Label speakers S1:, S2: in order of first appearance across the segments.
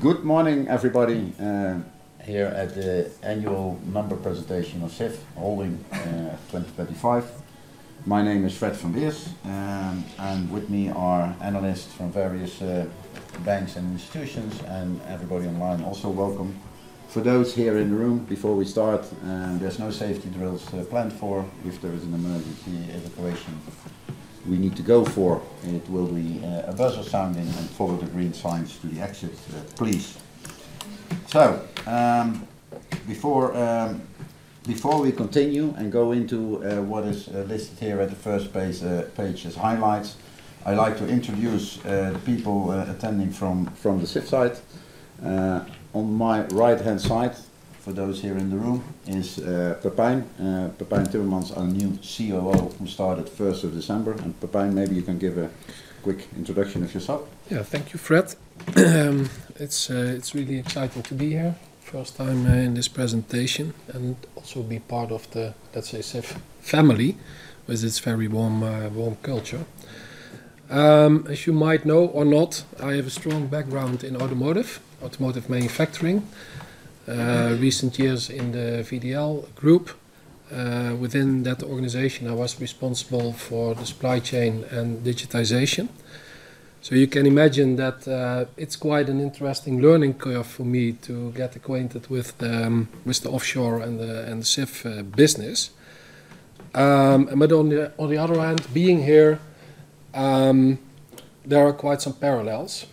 S1: Good morning, everybody, here at the annual number presentation of Sif Holding, 2035. My name is Fred van Beers, and with me are analysts from various banks and institutions and everybody online also welcome. For those here in the room, before we start, there's no safety drills planned for. If there is an emergency evacuation we need to go for, it will be a buzzer sounding, and follow the green signs to the exit, please. Before we continue and go into what is listed here at the first page as highlights, I'd like to introduce the people attending from the Sif side. On my right-hand side, for those here in the room, is Pepijn. Pepijn Timmermans, our new COO, who started first of December. Pepijn, maybe you can give a quick introduction of yourself.
S2: Yeah. Thank you, Fred. It's really exciting to be here. First time in this presentation and also be part of the, let's say, Sif family with its very warm culture. As you might know or not, I have a strong background in automotive manufacturing. Recent years in the VDL Groep. Within that organization, I was responsible for the supply chain and digitization. You can imagine that it's quite an interesting learning curve for me to get acquainted with the offshore and the Sif business. On the other hand, being here, there are quite some parallels.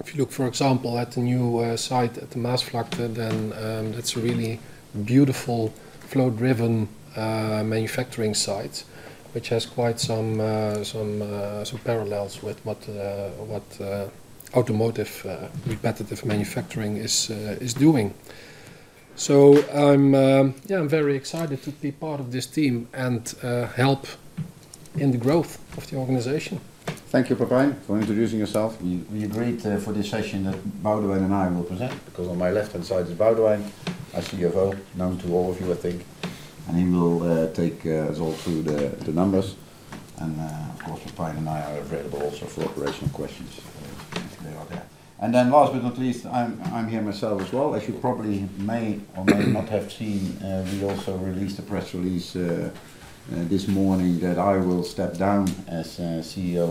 S2: If you look, for example, at the new site at the Maasvlakte, then that's a really beautiful flow-driven manufacturing site, which has quite some parallels with what automotive repetitive manufacturing is doing. Yeah, I'm very excited to be part of this team and help in the growth of the organization.
S1: Thank you, Pepijn, for introducing yourself. We agreed for this session that Boudewijn and I will present, because on my left-hand side is Boudewijn, our CFO, known to all of you, I think. Of course, Pepijn and I are available also for operational questions later on. Yeah. Last but not least, I'm here myself as well. As you probably may or may not have seen, we also released a press release this morning that I will step down as CEO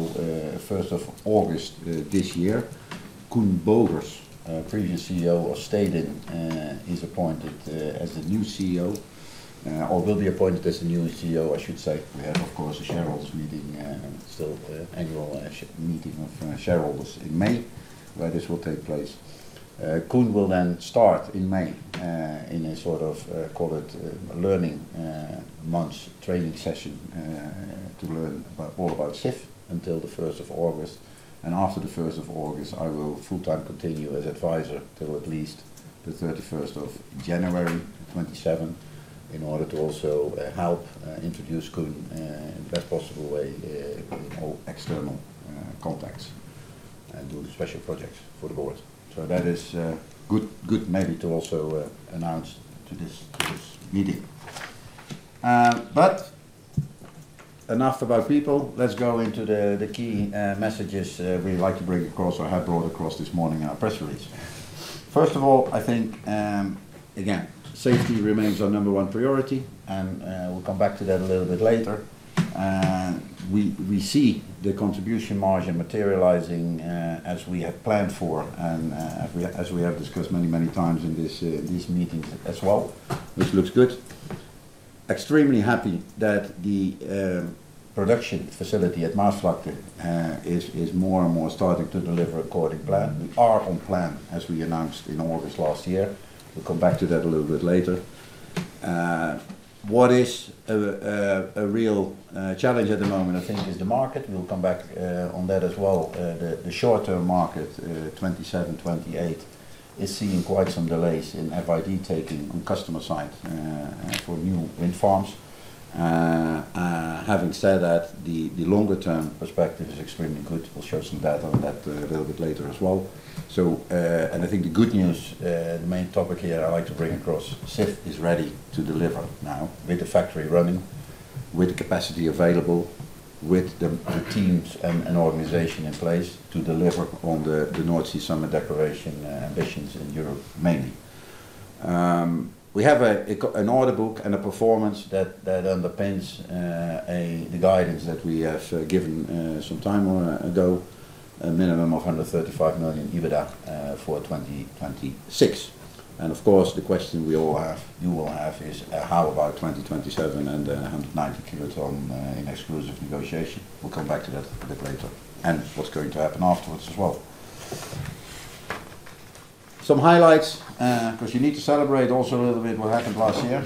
S1: first of August this year. Koen Bogers, previous CEO of Stedin, is appointed as the new CEO, or will be appointed as the new CEO, I should say. We have, of course, a shareholders' meeting still annual shareholders' meeting in May where this will take place. Koen will then start in May in a sort of call it learning months training session to learn all about Sif until the first of August. After the first of August, I will full-time continue as advisor till at least the 31st of January 2027, in order to also help introduce Koen in the best possible way in all external contexts, and do special projects for the board. That is good maybe to also announce to this meeting. Enough about people. Let's go into the key messages we'd like to bring across or have brought across this morning in our press release. First of all, I think, again, safety remains our number one priority, and we'll come back to that a little bit later. We see the contribution margin materializing as we had planned for and as we have discussed many, many times in these meetings as well, which looks good. Extremely happy that the production facility at Maasvlakte is more and more starting to deliver according to plan. We are on plan as we announced in August last year. We'll come back to that a little bit later. What is a real challenge at the moment, I think, is the market. We'll come back on that as well. The short-term market, 2027-2028, is seeing quite some delays in FID taking on customer side for new wind farms. Having said that, the longer-term perspective is extremely good. We'll show some data on that a little bit later as well. I think the good news, the main topic here I'd like to bring across, SIF is ready to deliver now with the factory running, with the capacity available, with the teams and organization in place to deliver on the North Sea Summit Declaration ambitions in Europe mainly. We have an order book and a performance that underpins the guidance that we have given some time ago, a minimum of 135 million EBITDA for 2026. Of course, the question we all have, you all have, is how about 2027 and 190 kiloton in exclusive negotiation? We'll come back to that a bit later, and what's going to happen afterwards as well. Some highlights, 'cause you need to celebrate also a little bit what happened last year.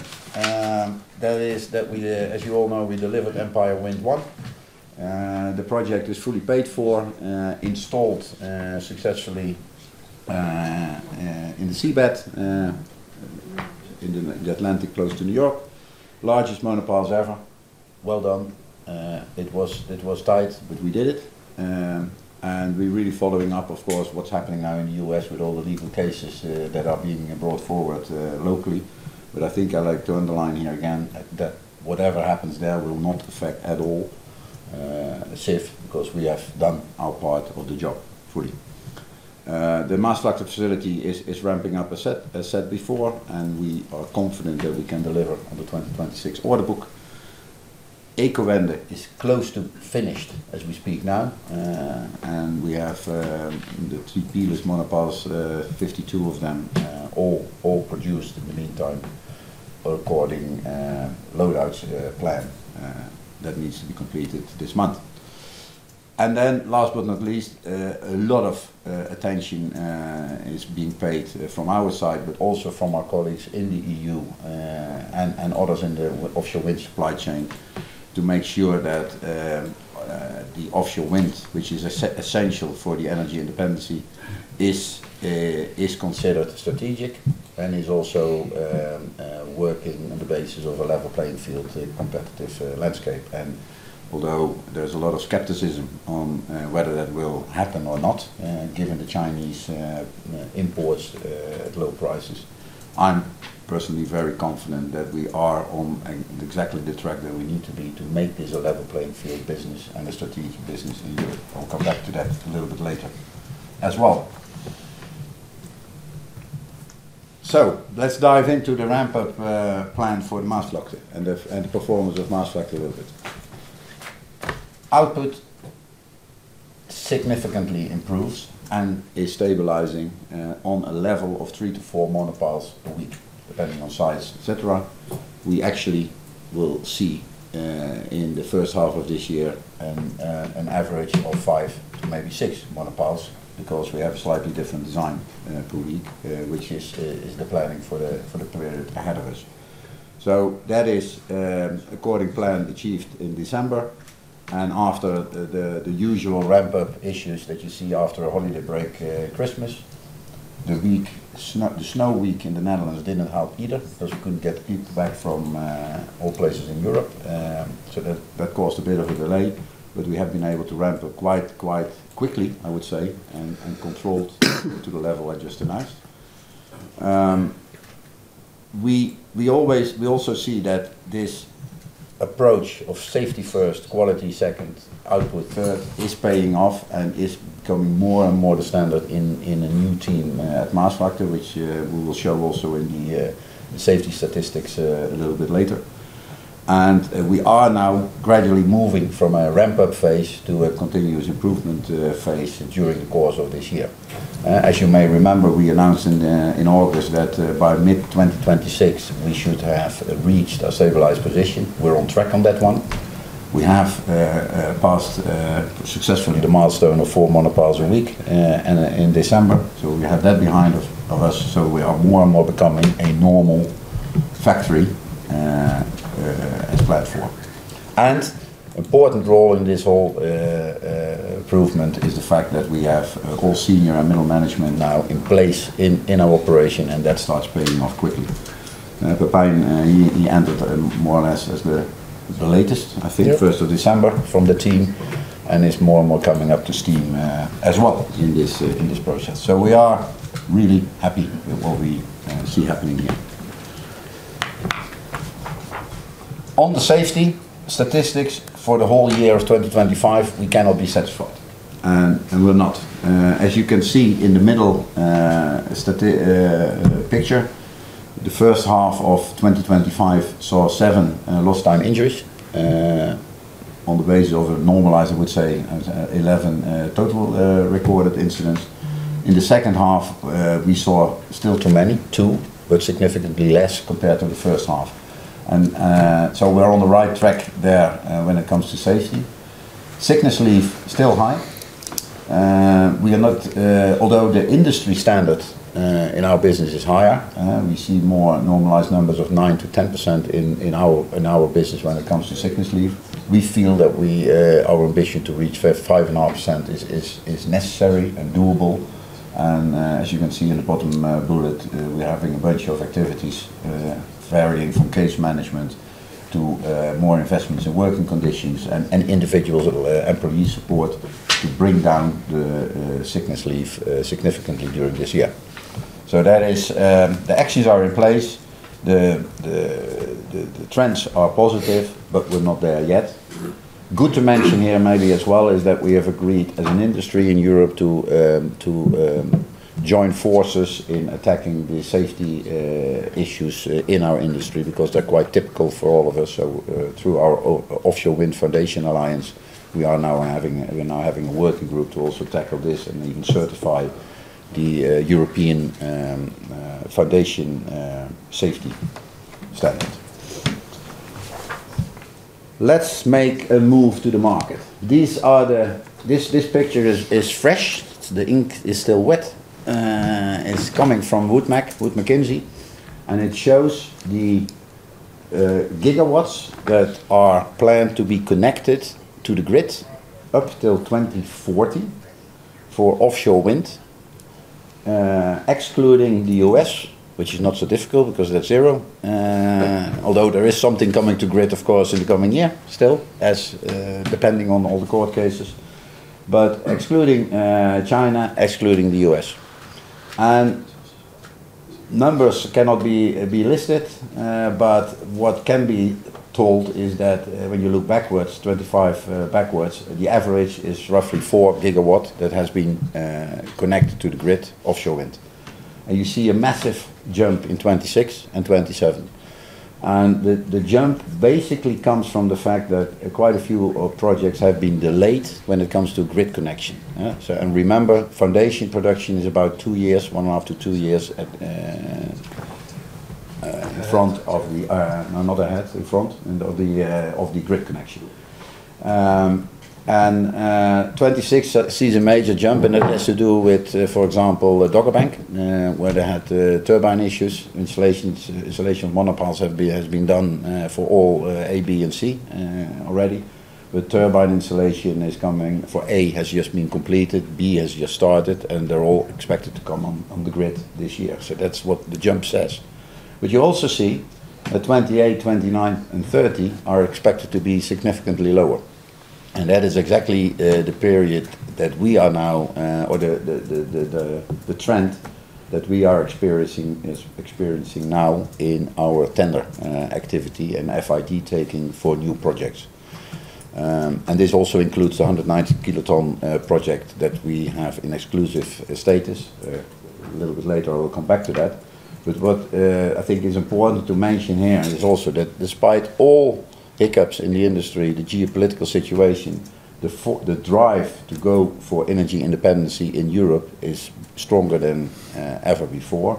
S1: That is that we, as you all know, delivered Empire Wind 1. The project is fully paid for, installed successfully in the seabed, in the Atlantic, close to New York. Largest monopiles ever. Well done. It was tight, but we did it. We're really following up, of course, what's happening now in the U.S. with all the legal cases that are being brought forward locally. I think I'd like to underline here again that whatever happens there will not affect at all Sif because we have done our part of the job fully. The Maasvlakte facility is ramping up, as said before, and we are confident that we can deliver on the 2026 order book. Ecowende is close to finished as we speak now, and we have the two pillar monopiles, 52 of them, all produced in the meantime according to load outs plan that needs to be completed this month. Last but not least, a lot of attention is being paid from our side, but also from our colleagues in the EU, and others in the offshore wind supply chain to make sure that the offshore wind, which is essential for the energy independence is considered strategic and is also working on the basis of a level playing field, the competitive landscape. Although there's a lot of skepticism on whether that will happen or not, given the Chinese imports at low prices, I'm personally very confident that we are on exactly the track that we need to be to make this a level playing field business and a strategic business in Europe. I'll come back to that a little bit later as well. Let's dive into the ramp-up plan for Maasvlakte and the performance of Maasvlakte a little bit. Output significantly improves and is stabilizing on a level of 3 monopiles-4 monopiles a week, depending on size, et cetera. We actually will see in the H1 of this year an average of five monopile to maybe six monopiles, because we have slightly different design per week, which is the planning for the period ahead of us. That is according to plan achieved in December and after the usual ramp-up issues that you see after a holiday break, Christmas. The snow week in the Netherlands didn't help either 'cause we couldn't get people back from all places in Europe. That caused a bit of a delay, but we have been able to ramp up quite quickly, I would say, and controlled to the level I just announced. We also see that this approach of safety first, quality second, output third, is paying off and is becoming more and more the standard in a new team at Maasvlakte, which we will show also in the safety statistics a little bit later. We are now gradually moving from a ramp-up phase to a continuous improvement phase during the course of this year. As you may remember, we announced in August that by mid-2026 we should have reached a stabilized position. We're on track on that one. We have passed successfully the milestone of 4 monopiles a week in December, so we have that behind us, so we are more and more becoming a normal factory as planned. Important role in this whole improvement is the fact that we have all senior and middle management now in place in our operation, and that starts paying off quickly. Pepijn, he entered more or less as the latest-
S2: Yeah.
S1: I think first of December from the team, and is more and more coming up to steam, as well in this, in this process. We are really happy with what we see happening here. On the safety statistics for the whole year of 2025, we cannot be satisfied, and we're not. As you can see in the middle picture, the H1 of 2025 saw seven lost time injuries on the basis of a normalized, I would say eleven total recorded incidents. In the H2, we saw still too many, two, but significantly less compared to the H1. We're on the right track there when it comes to safety. Sickness leave, still high. We are not, although the industry standard in our business is higher, we see more normalized numbers of 9%-10% in our business when it comes to sickness leave. We feel that our ambition to reach 5.5% is necessary and doable and, as you can see in the bottom bullet, we're having a bunch of activities varying from case management to more investments in working conditions and individual employee support to bring down the sickness leave significantly during this year. That is, the actions are in place. The trends are positive, but we're not there yet. Good to mention here maybe as well is that we have agreed as an industry in Europe to join forces in attacking the safety issues in our industry because they're quite typical for all of us. Through our Offshore Wind Foundation Alliance, we're now having a working group to also tackle this and even certify the European foundation safety standard. Let's make a move to the market. This picture is fresh. The ink is still wet. It's coming from WoodMac, Wood Mackenzie, and it shows the gigawatts that are planned to be connected to the grid up till 2040 for offshore wind, excluding the U.S., which is not so difficult because they're zero. Although there is something coming to grid, of course, in the coming year still, depending on all the court cases. Excluding China, excluding the U.S. Numbers cannot be listed, but what can be told is that, when you look backwards, 2025, backwards, the average is roughly 4GW that has been connected to the grid offshore wind. You see a massive jump in 2026 and 2027. The jump basically comes from the fact that quite a few of projects have been delayed when it comes to grid connection. Remember, foundation production is about two years, one-and-a-half to two years in front of the grid connection. 2026 sees a major jump, and that has to do with, for example, Dogger Bank, where they had turbine issues. Monopile installation has been done for all A, B and C already. The turbine installation for A has just been completed, B has just started, and they're all expected to come on the grid this year. That's what the jump says. You also see that 2028, 2029 and 2030 are expected to be significantly lower. That is exactly the period that we are now experiencing, or the trend that we are experiencing now in our tender activity and FID taking for new projects. This also includes the 190 kiloton project that we have in exclusive status. A little bit later I will come back to that. What I think is important to mention here is also that despite all hiccups in the industry, the geopolitical situation, the drive to go for energy independency in Europe is stronger than ever before.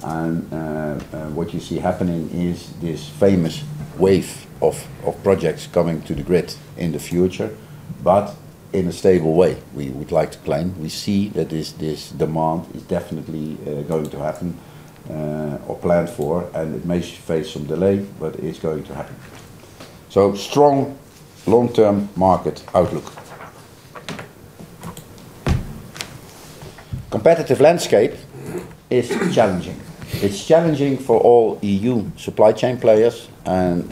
S1: What you see happening is this famous wave of projects coming to the grid in the future, but in a stable way, we would like to plan. We see that this demand is definitely going to happen or planned for, and it may face some delay, but it's going to happen. Strong long-term market outlook. Competitive landscape is challenging. It's challenging for all EU supply chain players and,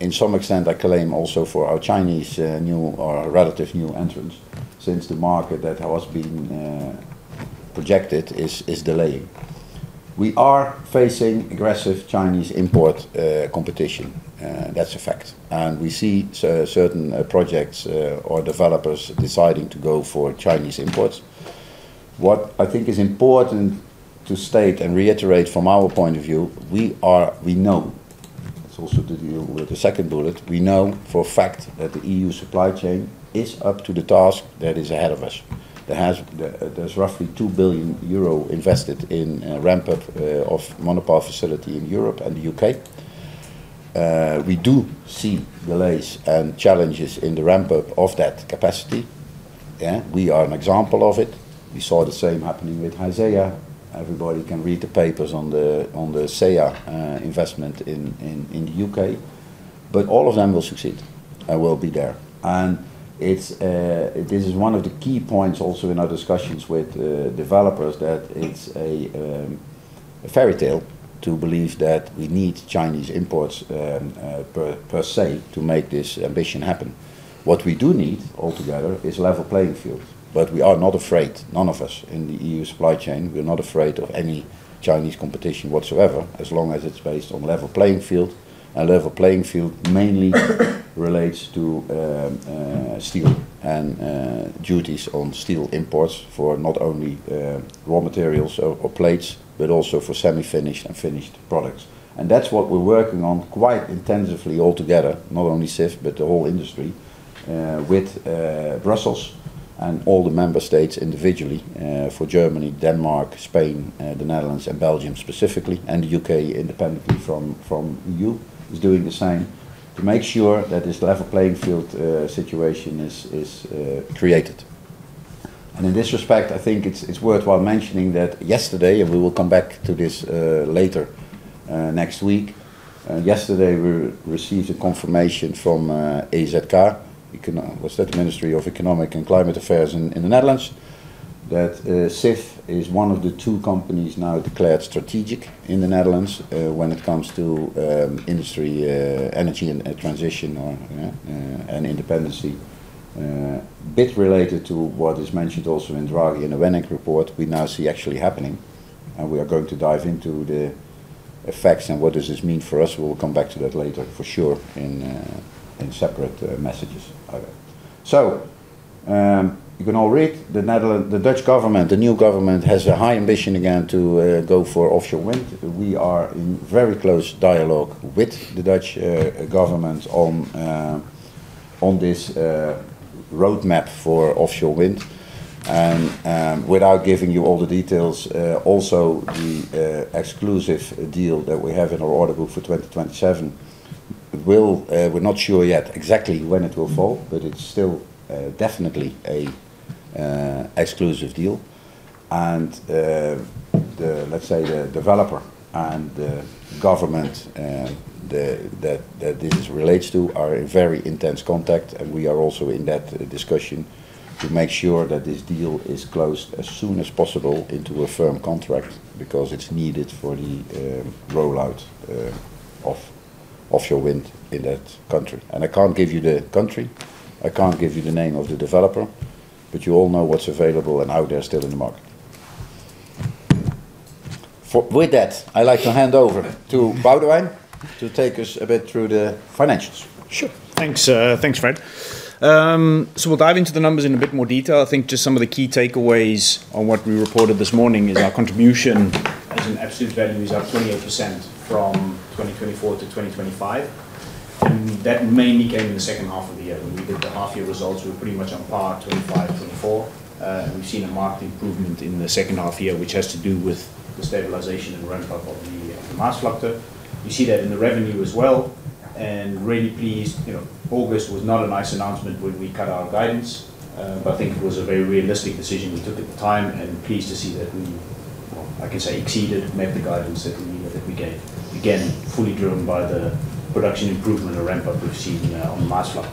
S1: to some extent, I claim also for our Chinese, new or relatively new entrants since the market that has been projected is delaying. We are facing aggressive Chinese import competition. That's a fact. We see certain projects or developers deciding to go for Chinese imports. What I think is important to state and reiterate from our point of view. We know it's also to do with the second bullet. We know for a fact that the EU supply chain is up to the task that is ahead of us. There's roughly 2 billion euro invested in a ramp-up of monopile facility in Europe and the U.K. We do see delays and challenges in the ramp-up of that capacity. We are an example of it. We saw the same happening with SeAH's. Everybody can read the papers on the SeAH investment in the U.K. All of them will succeed and will be there. This is one of the key points also in our discussions with developers, that it's a fairy tale to believe that we need Chinese imports per se to make this ambition happen. What we do need altogether is a level playing field. We are not afraid, none of us in the EU supply chain. We're not afraid of any Chinese competition whatsoever as long as it's based on a level playing field. A level playing field mainly relates to steel and duties on steel imports for not only raw materials or plates, but also for semi-finished and finished products. That's what we're working on quite intensively altogether, not only SIF, but the whole industry, with Brussels and all the member states individually, for Germany, Denmark, Spain, the Netherlands and Belgium specifically, and the U.K. independently from EU is doing the same to make sure that this level playing field situation is created. In this respect, I think it's worthwhile mentioning that yesterday we received a confirmation from EZK, Ministry of Economic Affairs and Climate Policy in the Netherlands, that SIF is one of the two companies now declared strategic in the Netherlands, when it comes to industry, energy and transition or and independency. A bit related to what is mentioned also in Draghi and the Letta report, we now see actually happening, and we are going to dive into the effects and what does this mean for us. We will come back to that later for sure in separate messages. You can all read, the Netherlands, the Dutch government, the new government has a high ambition again to go for offshore wind. We are in very close dialogue with the Dutch government on this roadmap for offshore wind. Without giving you all the details, also the exclusive deal that we have in our order book for 2027, we're not sure yet exactly when it will fall, but it's still definitely a exclusive deal. The developer and the government that this relates to are in very intense contact, and we are also in that discussion to make sure that this deal is closed as soon as possible into a firm contract because it's needed for the rollout of. Offshore wind in that country. I can't give you the country, I can't give you the name of the developer, but you all know what's available and out there still in the market. With that, I'd like to hand over to Boudewijn to take us a bit through the financials.
S3: Sure. Thanks. Thanks, Fred. We'll dive into the numbers in a bit more detail. I think just some of the key takeaways on what we reported this morning is our contribution as an absolute value is up 28% from 2024-2025. That mainly came in the H2 of the year. When we did the half year results, we were pretty much on par, 2025, 2024. We've seen a marked improvement in the H2 year, which has to do with the stabilization and ramp-up of the Maasvlakte. You see that in the revenue as well, and really pleased. You know, August was not a nice announcement when we cut our guidance, but I think it was a very realistic decision we took at the time and pleased to see that we, well, I can say exceeded, met the guidance that we gave. Again, fully driven by the production improvement or ramp-up we've seen on Maasvlakte.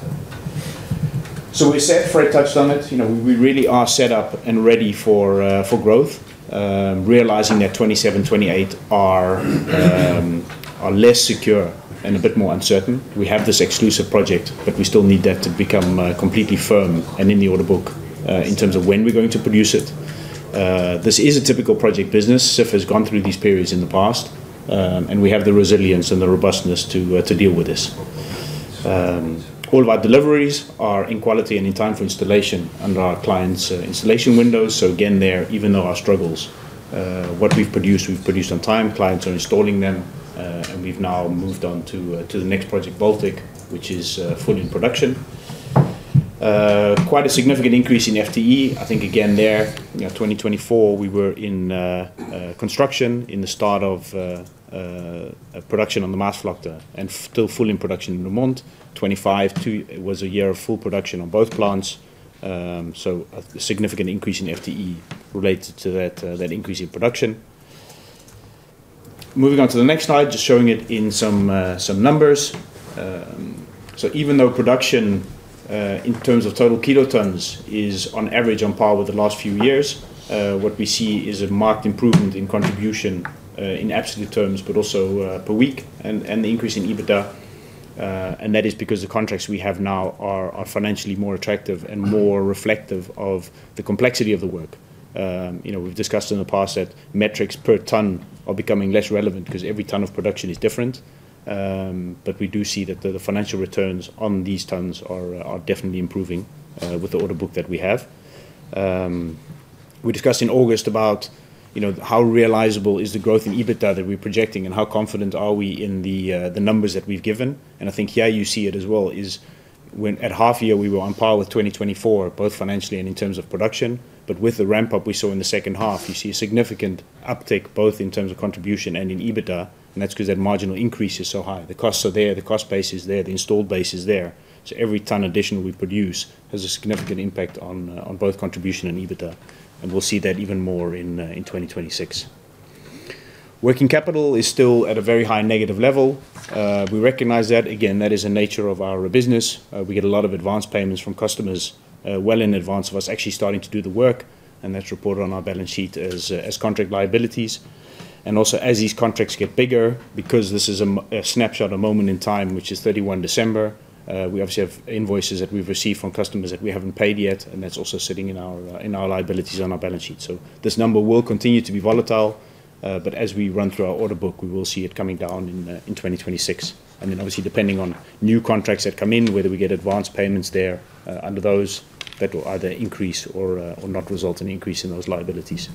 S3: We said Fred touched on it. You know, we really are set up and ready for growth. Realizing that 2027, 2028 are less secure and a bit more uncertain. We have this exclusive project, but we still need that to become completely firm and in the order book in terms of when we're going to produce it. This is a typical project business. SIF has gone through these periods in the past, and we have the resilience and the robustness to deal with this. All of our deliveries are on quality and on time for installation within our clients' installation windows. Again, even though our struggles, what we've produced, we've produced on time, clients are installing them, and we've now moved on to the next project, Baltic, which is fully in production. Quite a significant increase in FTE. I think again there, you know, 2024, we were in construction at the start of production on the Maasvlakte and still full in production in Roermond. 2025, it was a year of full production on both plants. A significant increase in FTE related to that increase in production. Moving on to the next slide, just showing it in some numbers. Even though production in terms of total kilotons is on average on par with the last few years, what we see is a marked improvement in contribution in absolute terms, but also per week and the increase in EBITDA. That is because the contracts we have now are financially more attractive and more reflective of the complexity of the work. You know, we've discussed in the past that metrics per ton are becoming less relevant because every ton of production is different. We do see that the financial returns on these tons are definitely improving with the order book that we have. We discussed in August about, you know, how realizable is the growth in EBITDA that we're projecting and how confident are we in the numbers that we've given. I think here you see it as well, is when at half year we were on par with 2024, both financially and in terms of production. With the ramp-up we saw in the H2, you see a significant uptick both in terms of contribution and in EBITDA, and that's 'cause that marginal increase is so high. The costs are there, the cost base is there, the installed base is there. Every ton additional we produce has a significant impact on both contribution and EBITDA, and we'll see that even more in 2026. Working capital is still at a very high negative level. We recognize that. Again, that is the nature of our business. We get a lot of advanced payments from customers, well in advance of us actually starting to do the work, and that's reported on our balance sheet as contract liabilities. Also, as these contracts get bigger, because this is a snapshot, a moment in time, which is 31 December, we obviously have invoices that we've received from customers that we haven't paid yet, and that's also sitting in our, in our liabilities on our balance sheet. This number will continue to be volatile, but as we run through our order book, we will see it coming down in 2026. Obviously, depending on new contracts that come in, whether we get advanced payments there, under those, that will either increase or not result in increase in those liabilities.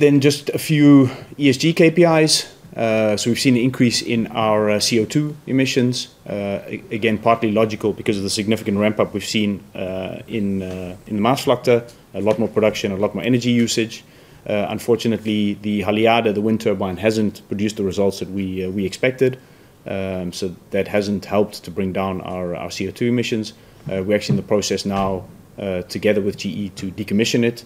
S3: Just a few ESG KPIs. We've seen an increase in our CO₂ emissions. Again, partly logical because of the significant ramp-up we've seen in Maasvlakte. A lot more production, a lot more energy usage. Unfortunately, the Haliade, the wind turbine, hasn't produced the results that we expected. That hasn't helped to bring down our CO₂ emissions. We're actually in the process now, together with GE to decommission it.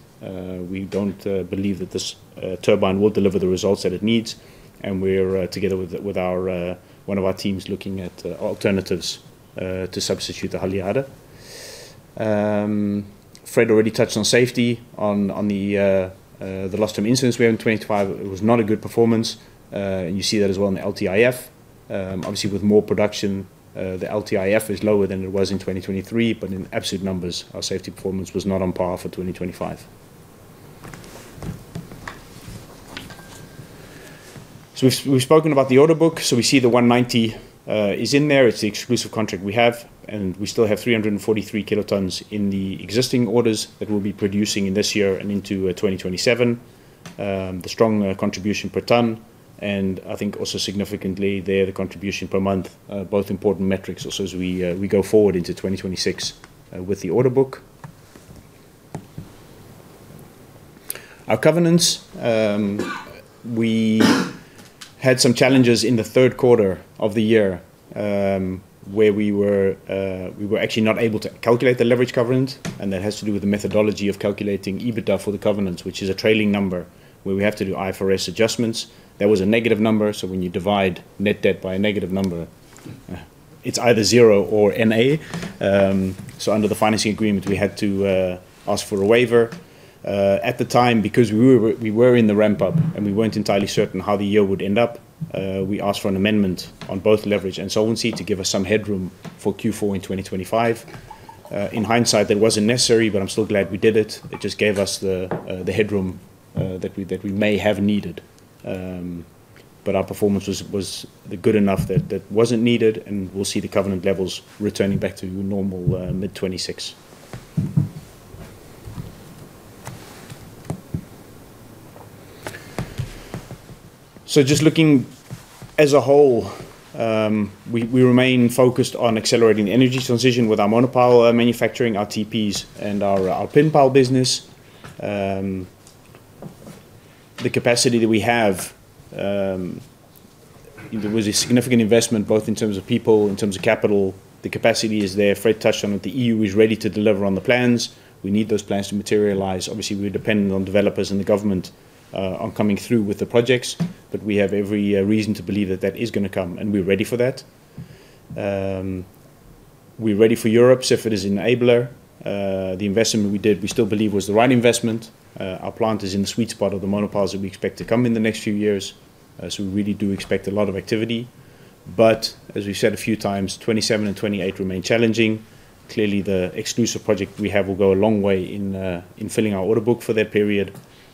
S3: We don't believe that this turbine will deliver the results that it needs, and we're together with one of our teams looking at alternatives to substitute the Haliade. Fred already touched on safety, the lost time incidents we had in 2025. It was not a good performance. You see that as well in the LTIF. Obviously, with more production, the LTIF is lower than it was in 2023, but in absolute numbers, our safety performance was not on par for 2025. We've spoken about the order book. We see the 190 is in there. It's the exclusive contract we have, and we still have 343kt in the existing orders that we'll be producing in this year and into 2027. The strong contribution per ton, and I think also significantly there, the contribution per month, both important metrics also as we go forward into 2026 with the order book. Our covenants, we had some challenges in the third quarter of the year, where we were actually not able to calculate the leverage covenant, and that has to do with the methodology of calculating EBITDA for the covenants, which is a trailing number where we have to do IFRS adjustments. That was a negative number, so when you divide net debt by a negative number. It's either zero or N/A. Under the financing agreement, we had to ask for a waiver. At the time, because we were in the ramp-up and we weren't entirely certain how the year would end up, we asked for an amendment on both leverage and solvency to give us some headroom for Q4 in 2025. In hindsight, that wasn't necessary, but I'm still glad we did it. It just gave us the headroom that we may have needed. Our performance was good enough that wasn't needed, and we'll see the covenant levels returning back to normal mid 2026. Just looking as a whole, we remain focused on accelerating energy transition with our monopile manufacturing, our TPs, and our pin pile business. The capacity that we have, there was a significant investment both in terms of people, in terms of capital. The capacity is there. Fred touched on it. The EU is ready to deliver on the plans. We need those plans to materialize. Obviously, we're dependent on developers and the government, on coming through with the projects. We have every reason to believe that that is gonna come, and we're ready for that. We're ready for Europe. Sif is an enabler. The investment we did, we still believe was the right investment. Our plant is in the sweet spot of the monopiles that we expect to come in the next few years, so we really do expect a lot of activity. As we've said a few times, 2027 and 2028 remain challenging. Clearly, the exclusive project we have will go a long way in filling our order book for that period.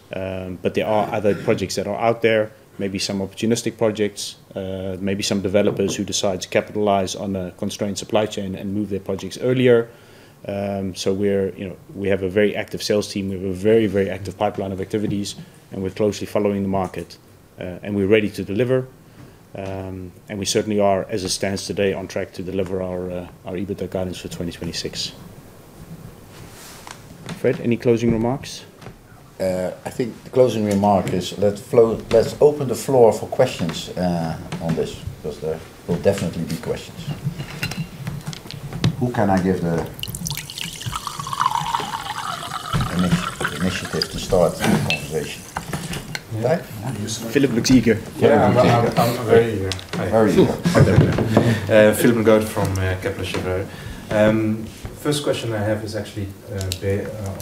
S3: There are other projects that are out there, maybe some opportunistic projects, maybe some developers who decide to capitalize on a constrained supply chain and move their projects earlier. We're, you know, we have a very active sales team. We have a very, very active pipeline of activities, and we're closely following the market, and we're ready to deliver. We certainly are, as it stands today, on track to deliver our EBITDA guidance for 2026. Fred, any closing remarks?
S1: I think the closing remark is let's open the floor for questions on this because there will definitely be questions. Who can I give the initiative to start the conversation? Me?
S3: Philip looks eager.
S1: Yeah.
S4: I'm very
S1: Very eager.
S4: Philip Goedvolk from Kepler Cheuvreux. First question I have is actually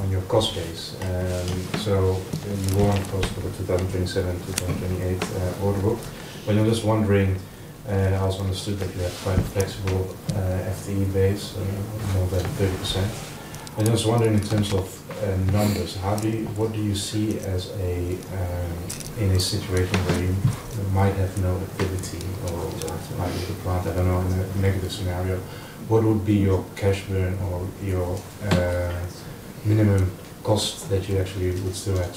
S4: on your cost base. So in your cost for the 2027, 2028 order book, but I'm just wondering, I also understood that you have quite a flexible FTE base, more than 30%. I'm just wondering in terms of numbers, what do you see as a in a situation where you might have no activity or might be required. I don't know, in a negative scenario, what would be your cash burn or your minimum cost that you actually would still have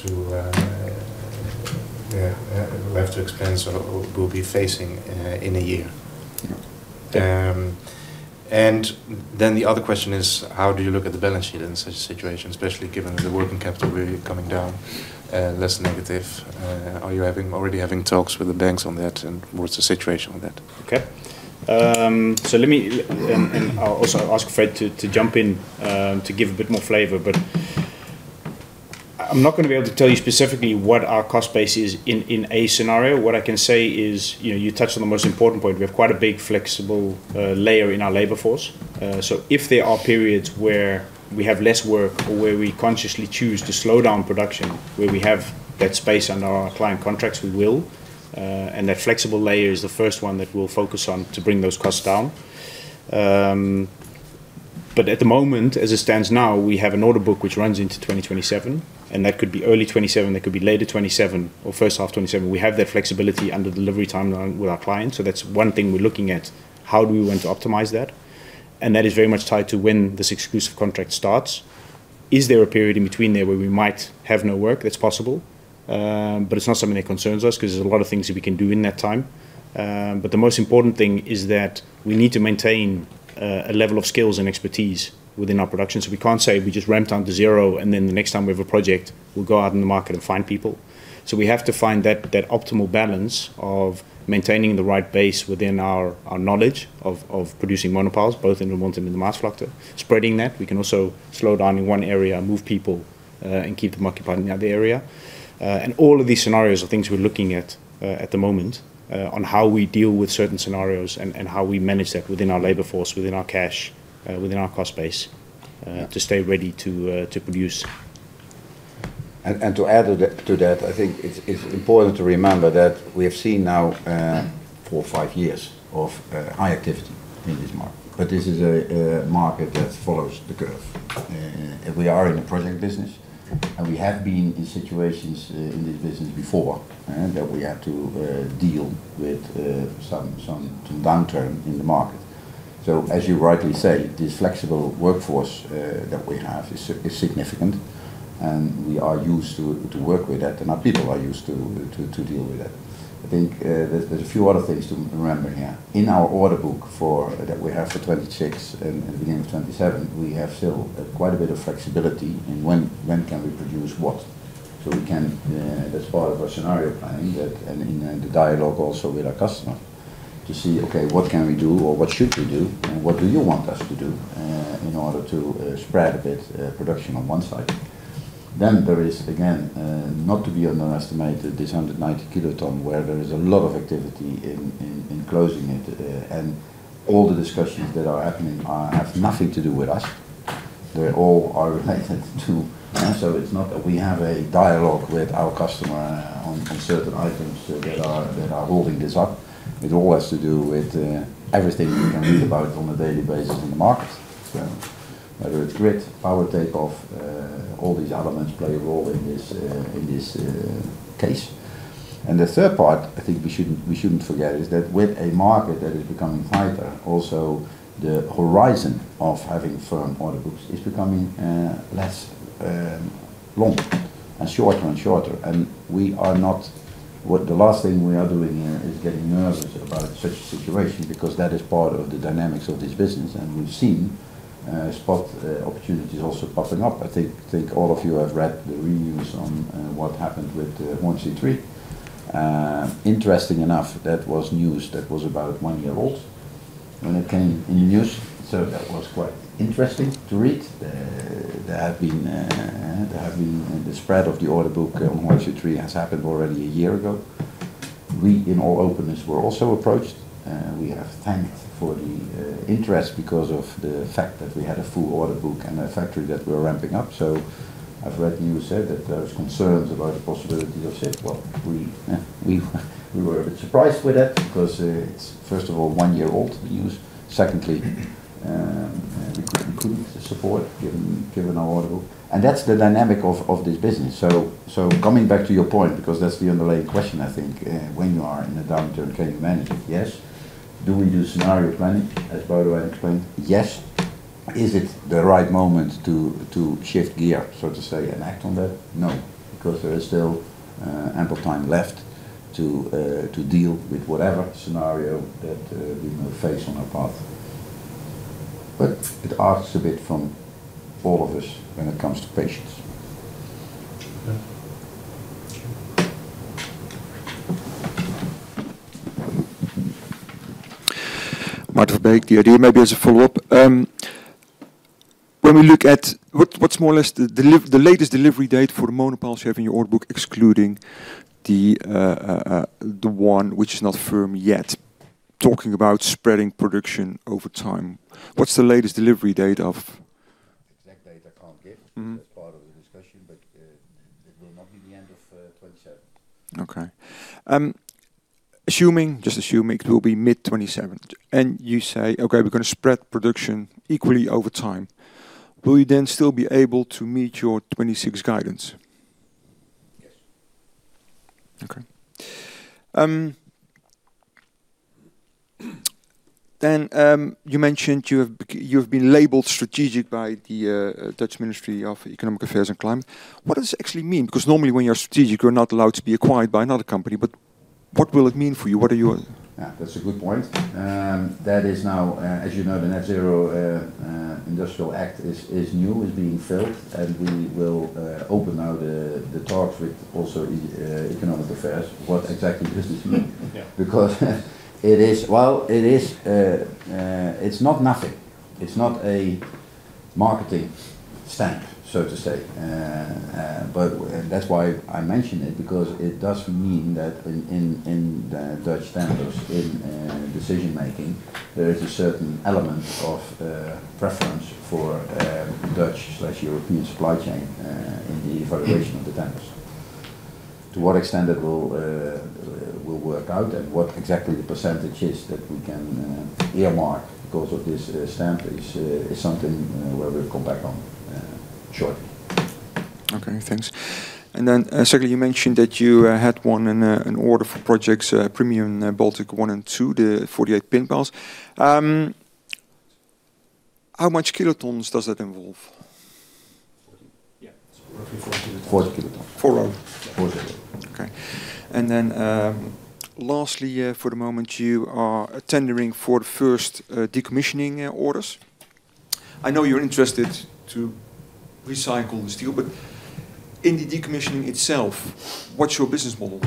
S4: to expense or will be facing in a year.
S3: Yeah.
S4: The other question is: how do you look at the balance sheet in such a situation, especially given the working capital really coming down, less negative? Are you already having talks with the banks on that, and what's the situation with that?
S3: Okay. I'll also ask Fred to jump in to give a bit more flavor. I'm not gonna be able to tell you specifically what our cost base is in a scenario. What I can say is, you know, you touched on the most important point. We have quite a big flexible layer in our labor force. If there are periods where we have less work or where we consciously choose to slow down production, where we have that space under our client contracts, we will. That flexible layer is the first one that we'll focus on to bring those costs down. At the moment, as it stands now, we have an order book which runs into 2027, and that could be early 2027, that could be later 2027 or H1 2027. We have that flexibility under delivery timeline with our clients, so that's one thing we're looking at. How do we want to optimize that? That is very much tied to when this exclusive contract starts. Is there a period in between there where we might have no work? That's possible, but it's not something that concerns us because there's a lot of things that we can do in that time. The most important thing is that we need to maintain a level of skills and expertise within our production. We can't say we just ramp down to zero and then the next time we have a project, we'll go out in the market and find people. We have to find that optimal balance of maintaining the right base within our knowledge of producing monopiles, both in Roermond and the Maasvlakte, spreading that. We can also slow down in one area, move people, and keep them occupied in the other area. All of these scenarios are things we're looking at at the moment on how we deal with certain scenarios and how we manage that within our labor force, within our cash, within our cost base, to stay ready to produce.
S1: To add to that, I think it's important to remember that we have seen now four or five years of high activity in this market. This is a market that follows the curve. We are in the project business, and we have been in situations in this business before that we had to deal with some downturn in the market. As you rightly say, this flexible workforce that we have is significant, and we are used to work with that, and our people are used to deal with that. I think there's a few other things to remember here. In our order book for... that we have for 2026 and the beginning of 2027, we have still quite a bit of flexibility in when we can produce what. We can, as part of our scenario planning that and in the dialogue also with our customer to see, okay, what can we do or what should we do, and what do you want us to do, in order to spread a bit production on one side. There is, again, not to be underestimated, this 190 kiloton where there is a lot of activity in closing it. And all the discussions that are happening have nothing to do with us. They all are related to. It's not that we have a dialogue with our customer on certain items that are holding this up. It all has to do with everything we can read about on a daily basis in the market. Whether it's grid, power takeoff, all these elements play a role in this case. The third part I think we shouldn't forget is that with a market that is becoming tighter, also the horizon of having firm order books is becoming less long and shorter and shorter. The last thing we are doing here is getting nervous about such a situation, because that is part of the dynamics of this business. We've seen spot opportunities also popping up. I think all of you have read the news on what happened with Hohe See III. Interesting enough, that was news that was about one year old when it came in the news, so that was quite interesting to read. The spread of the order book on Hohe See III has happened already a year ago. We, in all openness, were also approached. We have thanked for the interest because of the fact that we had a full order book and a factory that we're ramping up. I've read the news said that there was concerns about the possibility of Sif. Well, we were a bit surprised with that because it's first of all one year old news. Secondly, we could include the support given our order book. That's the dynamic of this business. Coming back to your point, because that's the underlying question I think, when you are in a downturn, can you manage it? Yes. Do we do scenario planning, as Boudewijn explained? Yes. Is it the right moment to shift gear, so to say, and act on that? No, because there is still ample time left to deal with whatever scenario that we may face on our path. But it asks a bit from all of us when it comes to patience.
S5: Yeah. Marc Zwartsenburg, the idea maybe as a follow-up. When we look at what's more or less the latest delivery date for the monopiles you have in your order book, excluding the one which is not firm yet. Talking about spreading production over time, what's the latest delivery date of-
S1: Exact date I can't give.
S5: Mm-hmm.
S1: as part of the discussion, but it will not be the end of 2027.
S5: Okay. Assuming it will be mid-2027, and you say, "Okay, we're gonna spread production equally over time," will you then still be able to meet your 2026 guidance?
S1: Yes.
S5: You mentioned you've been labeled strategic by the Dutch Ministry of Economic Affairs and Climate. What does it actually mean? Because normally when you're strategic, you're not allowed to be acquired by another company. What will it mean for you? What are your
S1: Yeah, that's a good point. That is now, as you know, the Net-Zero Industry Act is new, being filled, and we will open now the talks with also economic affairs, what exactly does this mean?
S5: Yeah.
S1: Well, it is. It's not nothing. It's not a marketing stamp, so to say. That's why I mention it, because it does mean that in the Dutch tenders, in decision-making, there is a certain element of preference for Dutch/European supply chain in the evaluation of the tenders. To what extent it will work out and what exactly the percentage is that we can earmark because of this stamp is something where we'll come back on shortly.
S5: Okay, thanks. Secondly, you mentioned that you had won an order for projects, Bałtyk I and Bałtyk II, the 48 pin piles. How much kilotons does that involve?
S1: 40. Yeah. It's roughly 40kt.
S5: 40kt. 4 round. 40. Okay. Lastly, for the moment, you are tendering for the first decommissioning orders. I know you're interested to recycle the steel, but in the decommissioning itself, what's your business model?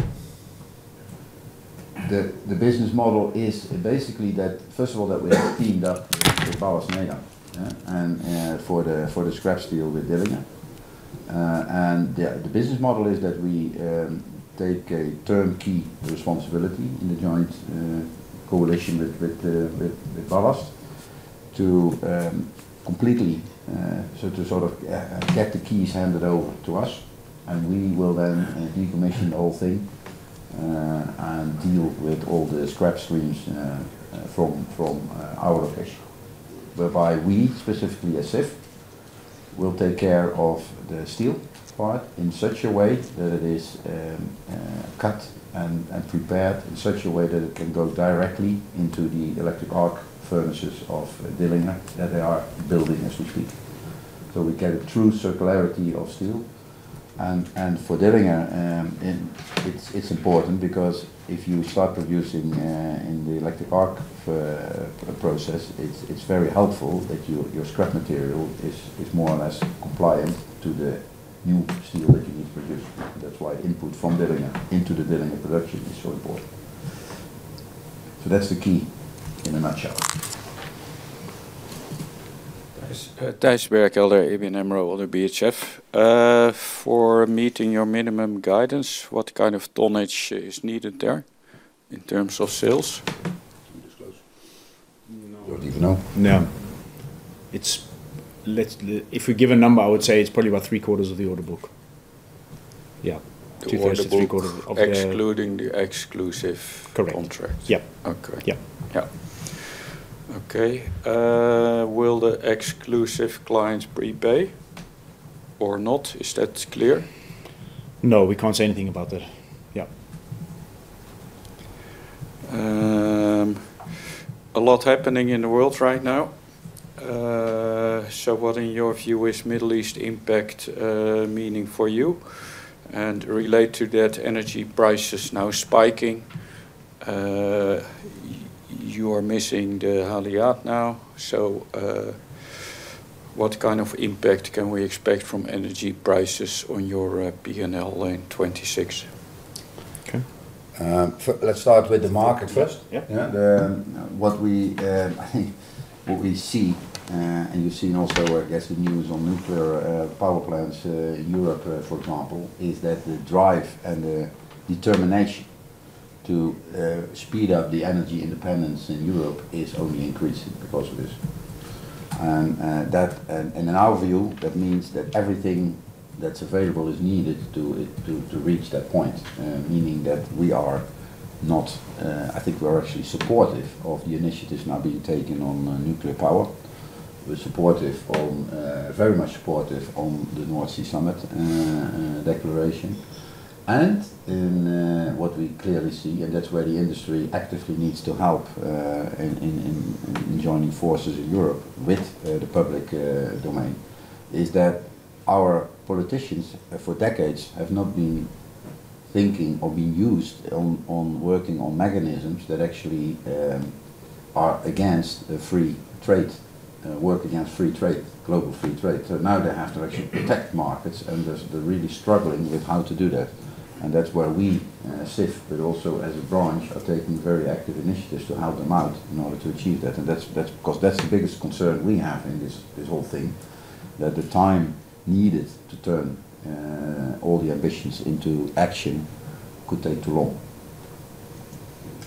S1: The business model is basically that first of all we have teamed up with Ballast Nedam and for the scrap steel with Dillinger. The business model is that we take a turnkey responsibility in the joint coalition with Ballast to completely get the keys handed over to us, and we will then decommission the whole thing and deal with all the scrap streams from our location. Whereby we, specifically Sif, will take care of the steel part in such a way that it is cut and prepared in such a way that it can go directly into the electric arc furnaces of Dillinger that they are building as we speak. We get a true circularity of steel. For Dillinger, it's important because if you start producing in the electric arc process, it's very helpful that your scrap material is more or less compliant to the new steel that you need to produce. That's why input from Dillinger into the Dillinger production is so important. That's the key in a nutshell.
S6: Thijs Berkelder, ABN AMRO ODDO BHF. For meeting your minimum guidance, what kind of tonnage is needed there in terms of sales?
S1: Can we disclose?
S3: No.
S1: Don't even know.
S3: No. It's if we give a number, I would say it's probably about three-quarters of the order book.
S6: Yeah. Two-thirds to three-quarters of the-
S3: The order book excluding the exclusive
S6: Correct
S3: contract.
S6: Yeah.
S3: Okay.
S6: Yeah.
S3: Yeah.
S6: Okay. Will the exclusive clients prepay or not? Is that clear?
S3: No, we can't say anything about that. Yeah.
S6: A lot happening in the world right now. What in your view is Middle East impact, meaning for you? Relate to that energy prices now spiking. You are missing the Haliade now, so what kind of impact can we expect from energy prices on your P&L line 26?
S3: Okay.
S1: Let's start with the market first.
S3: Yeah.
S1: I think what we see and you've seen also, I guess, the news on nuclear power plants in Europe, for example, is that the drive and the determination to speed up the energy independence in Europe is only increasing because of this. In our view, that means that everything that's available is needed to reach that point, meaning that we are actually supportive of the initiatives now being taken on nuclear power. We're very much supportive of the North Sea Summit Declaration. In what we clearly see, and that's where the industry actively needs to help, in joining forces in Europe with the public domain, is that our politicians for decades have not been thinking or been used on working on mechanisms that actually are against the free trade, work against free trade, global free trade. So now they have to actually protect markets, and they're really struggling with how to do that. That's where we, as Sif, but also as a branch, are taking very active initiatives to help them out in order to achieve that. That's 'cause that's the biggest concern we have in this whole thing, that the time needed to turn all the ambitions into action could take too long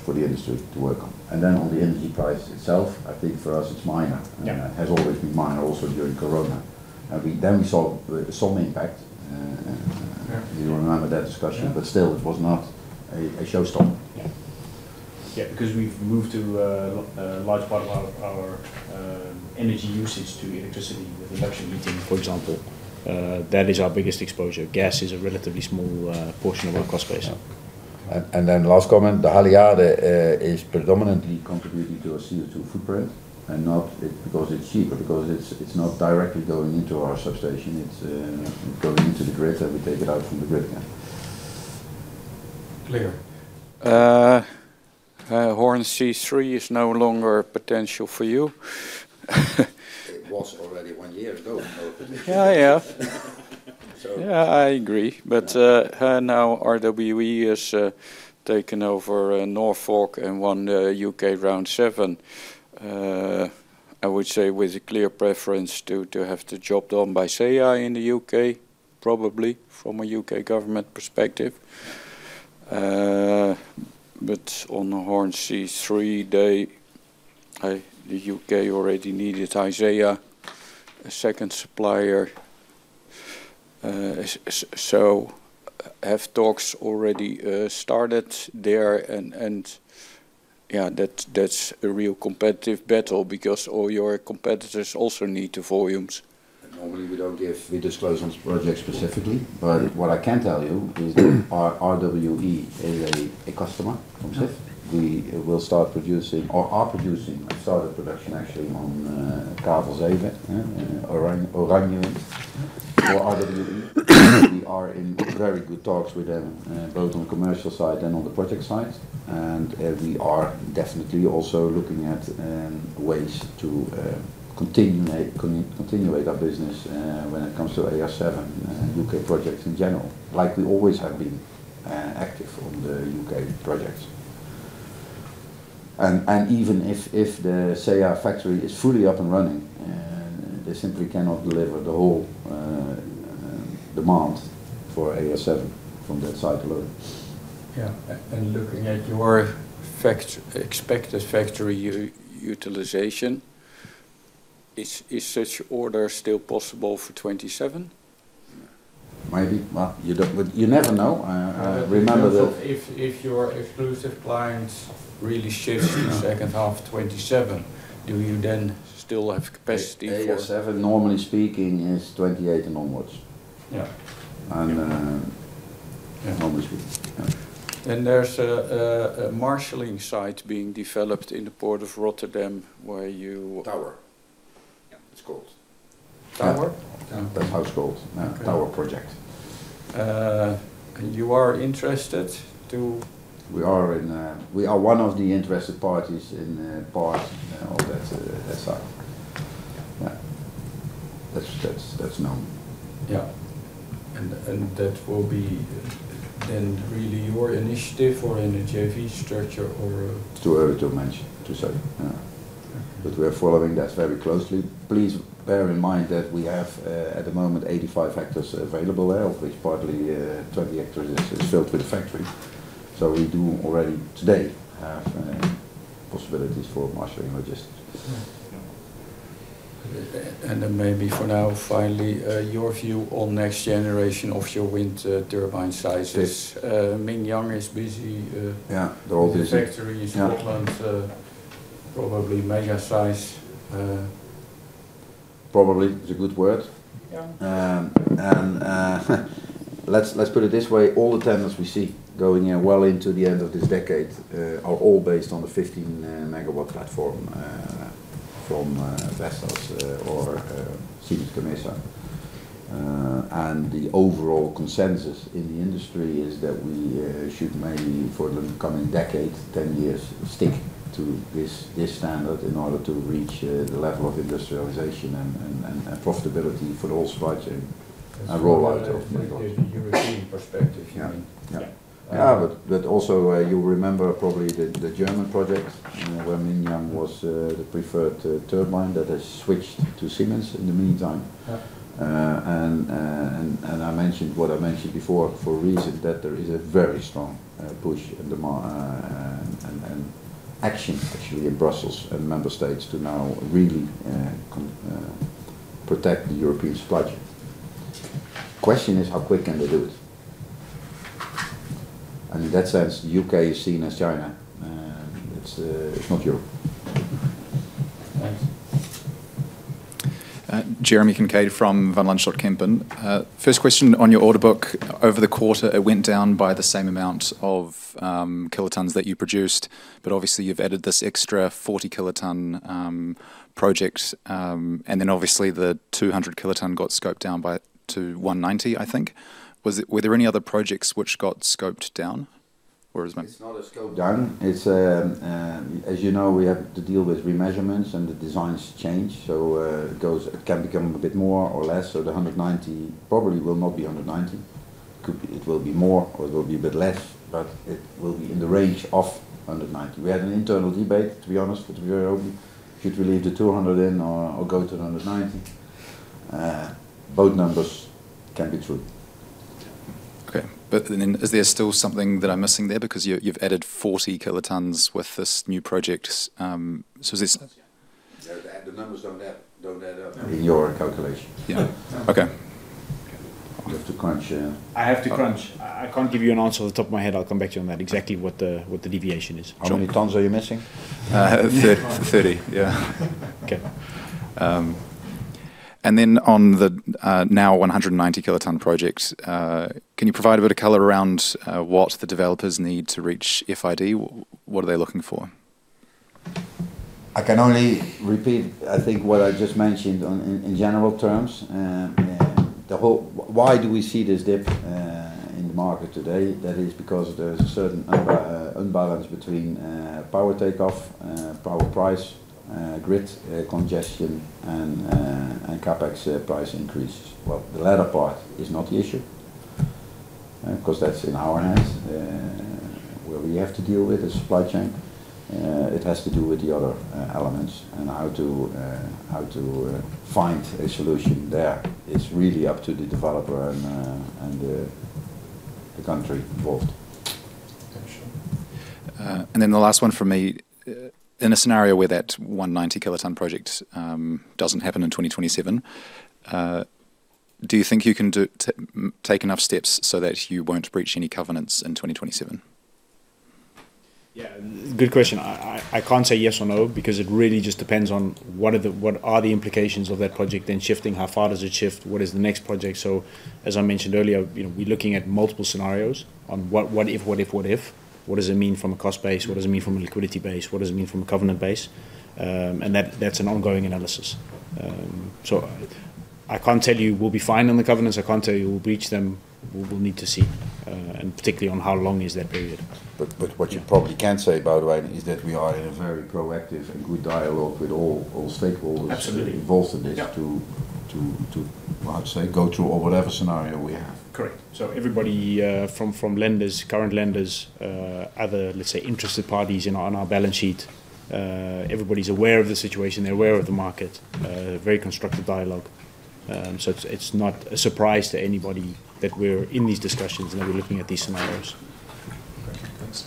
S1: for the industry to work on. On the energy price itself, I think for us it's minor.
S3: Yeah.
S1: It has always been minor also during Corona. We then saw some impact. If you remember that discussion.
S3: Yeah.
S1: Still, it was not a showstopper.
S3: Yeah. Yeah, because we've moved to a large part of our energy usage to electricity with electric heating, for example. That is our biggest exposure. Gas is a relatively small portion of our cost base.
S1: Last comment, the Haliade is predominantly contributing to our CO₂ footprint and not because it's cheaper, because it's not directly going into our substation. It's going into the grid, and we take it out from the grid again.
S6: Clear. Hornsea III is no longer a potential for you.
S1: It was already one year ago.
S6: Yeah, yeah.
S1: So.
S6: Yeah, I agree. Now RWE has taken over Norfolk and won the U.K. Round 7, I would say with a clear preference to have the job done by SeAH in the U.K., probably from a U.K. government perspective. On Hornsea III, they, the U.K. already needed, say, a second supplier. Have talks already started there? And yeah, that's a real competitive battle because all your competitors also need the volumes.
S1: Normally, we disclose on projects specifically. But what I can tell you is that our RWE is a customer from SIF. We have started production actually on Kavel VII, OranjeWind for RWE. We are in very good talks with them both on the commercial side and on the project side. We are definitely also looking at ways to continue our business when it comes to AR7, U.K. projects in general, like we always have been active on the U.K. projects. Even if the SeAH factory is fully up and running, they simply cannot deliver the whole demand for AR7 from that site alone.
S6: Yeah. Looking at your expected factory utilization, is such order still possible for 27?
S1: Maybe. Well, you don't. You never know. Remember that-
S6: If your exclusive clients really shift to H2 2027, do you then still have capacity for?
S1: AR7 normally speaking is 28 and onwards.
S6: Yeah.
S1: Normally speaking. Yeah.
S6: There's a marshaling site being developed in the Port of Rotterdam where you-
S1: TOWER. Yeah, it's called.
S6: Tower?
S1: That's how it's called. Yeah. TOWER project.
S6: You are interested to
S1: We are one of the interested parties in part of that site. Yeah. That's known.
S6: Yeah. That will be then really your initiative or in a JV structure?
S1: It's too early to say. We're following that very closely. Please bear in mind that we have at the moment 85 hectares available there, of which partly 20 hectares is filled with factory. We do already today have possibilities for mastering logistics.
S6: Yeah. Maybe for now, finally, your view on next generation offshore wind turbine sizes? Yes. Ming Yang is busy.
S1: Yeah, they're all busy.
S6: ...with the factory in Scotland. Probably mega size.
S1: Probably is a good word.
S3: Yeah.
S1: Let's put it this way, all the tenders we see going, you know, well into the end of this decade, are all based on the 15MW platform from Vestas or Siemens Gamesa. The overall consensus in the industry is that we should maybe for the coming decade, 10 years, stick to this standard in order to reach the level of industrialization and profitability for the whole supply chain and rollout of megawatts.
S6: From a, like, the European perspective, you mean?
S1: Yeah. Yeah.
S6: Yeah.
S1: Yeah, also, you remember probably the German project, you know, where Ming Yang was the preferred turbine that has switched to Siemens in the meantime.
S6: Yeah.
S1: I mentioned what I mentioned before for a reason, that there is a very strong push and demand and action actually in Brussels and member states to now really protect the European supply chain. Question is, how quick can they do it? In that sense, U.K. is seen as China, it's not Europe.
S6: Thanks.
S7: Jeremy Kincaid from Van Lanschot Kempen. First question, on your order book, over the quarter, it went down by the same amount of kilotons that you produced, but obviously you've added this extra 40-kiloton project. Obviously the 200-kiloton got scoped down to 190, I think. Were there any other projects which got scoped down, or has been-
S1: It's not a scope down. It's as you know, we have to deal with remeasurements, and the designs change. It goes. It can become a bit more or less. The 190 probably will not be 190. It could be. It will be more, or it will be a bit less, but it will be in the range of 190. We had an internal debate, to be honest, between our own should we leave the 200 in or go to the 190. Both numbers can be true.
S8: Is there still something that I'm missing there? Because you've added 40kt with this new project. Is this-
S1: No, the numbers don't add up in your calculation.
S7: Yeah. Okay.
S1: You have to crunch.
S3: I have to crunch. I can't give you an answer off the top of my head. I'll come back to you on that, exactly what the deviation is. Sure.
S1: How many tons are you missing?
S7: Thirty. Yeah. Okay. On the now 190 kiloton project, can you provide a bit of color around what the developers need to reach FID? What are they looking for?
S1: I can only repeat, I think, what I just mentioned in general terms. Why do we see this dip in the market today? That is because there's a certain unbalance between power takeoff, power price, grid congestion and CapEx price increases. Well, the latter part is not the issue, 'cause that's in our hands. Where we have to deal with the supply chain, it has to do with the other elements and how to find a solution there is really up to the developer and the country involved.
S7: Okay, sure. The last one from me. In a scenario where that 190 kiloton project doesn't happen in 2027, do you think you can take enough steps so that you won't breach any covenants in 2027?
S3: Yeah, good question. I can't say yes or no because it really just depends on what are the implications of that project then shifting? How far does it shift? What is the next project? As I mentioned earlier, you know, we're looking at multiple scenarios on what if? What does it mean from a cost base? What does it mean from a liquidity base? What does it mean from a covenant base? That's an ongoing analysis. I can't tell you we'll be fine on the covenants. I can't tell you we'll breach them. We will need to see, and particularly on how long is that period.
S1: what you probably can say, by the way, is that we are in a very proactive and good dialogue with all stakeholders.
S3: Absolutely
S1: ...involved in this-
S3: Yeah...
S1: to how to say, go through or whatever scenario we have.
S3: Correct. Everybody from lenders, current lenders, other, let's say, interested parties on our balance sheet, everybody's aware of the situation. They're aware of the market, very constructive dialogue. It's not a surprise to anybody that we're in these discussions and that we're looking at these scenarios.
S7: Okay, thanks.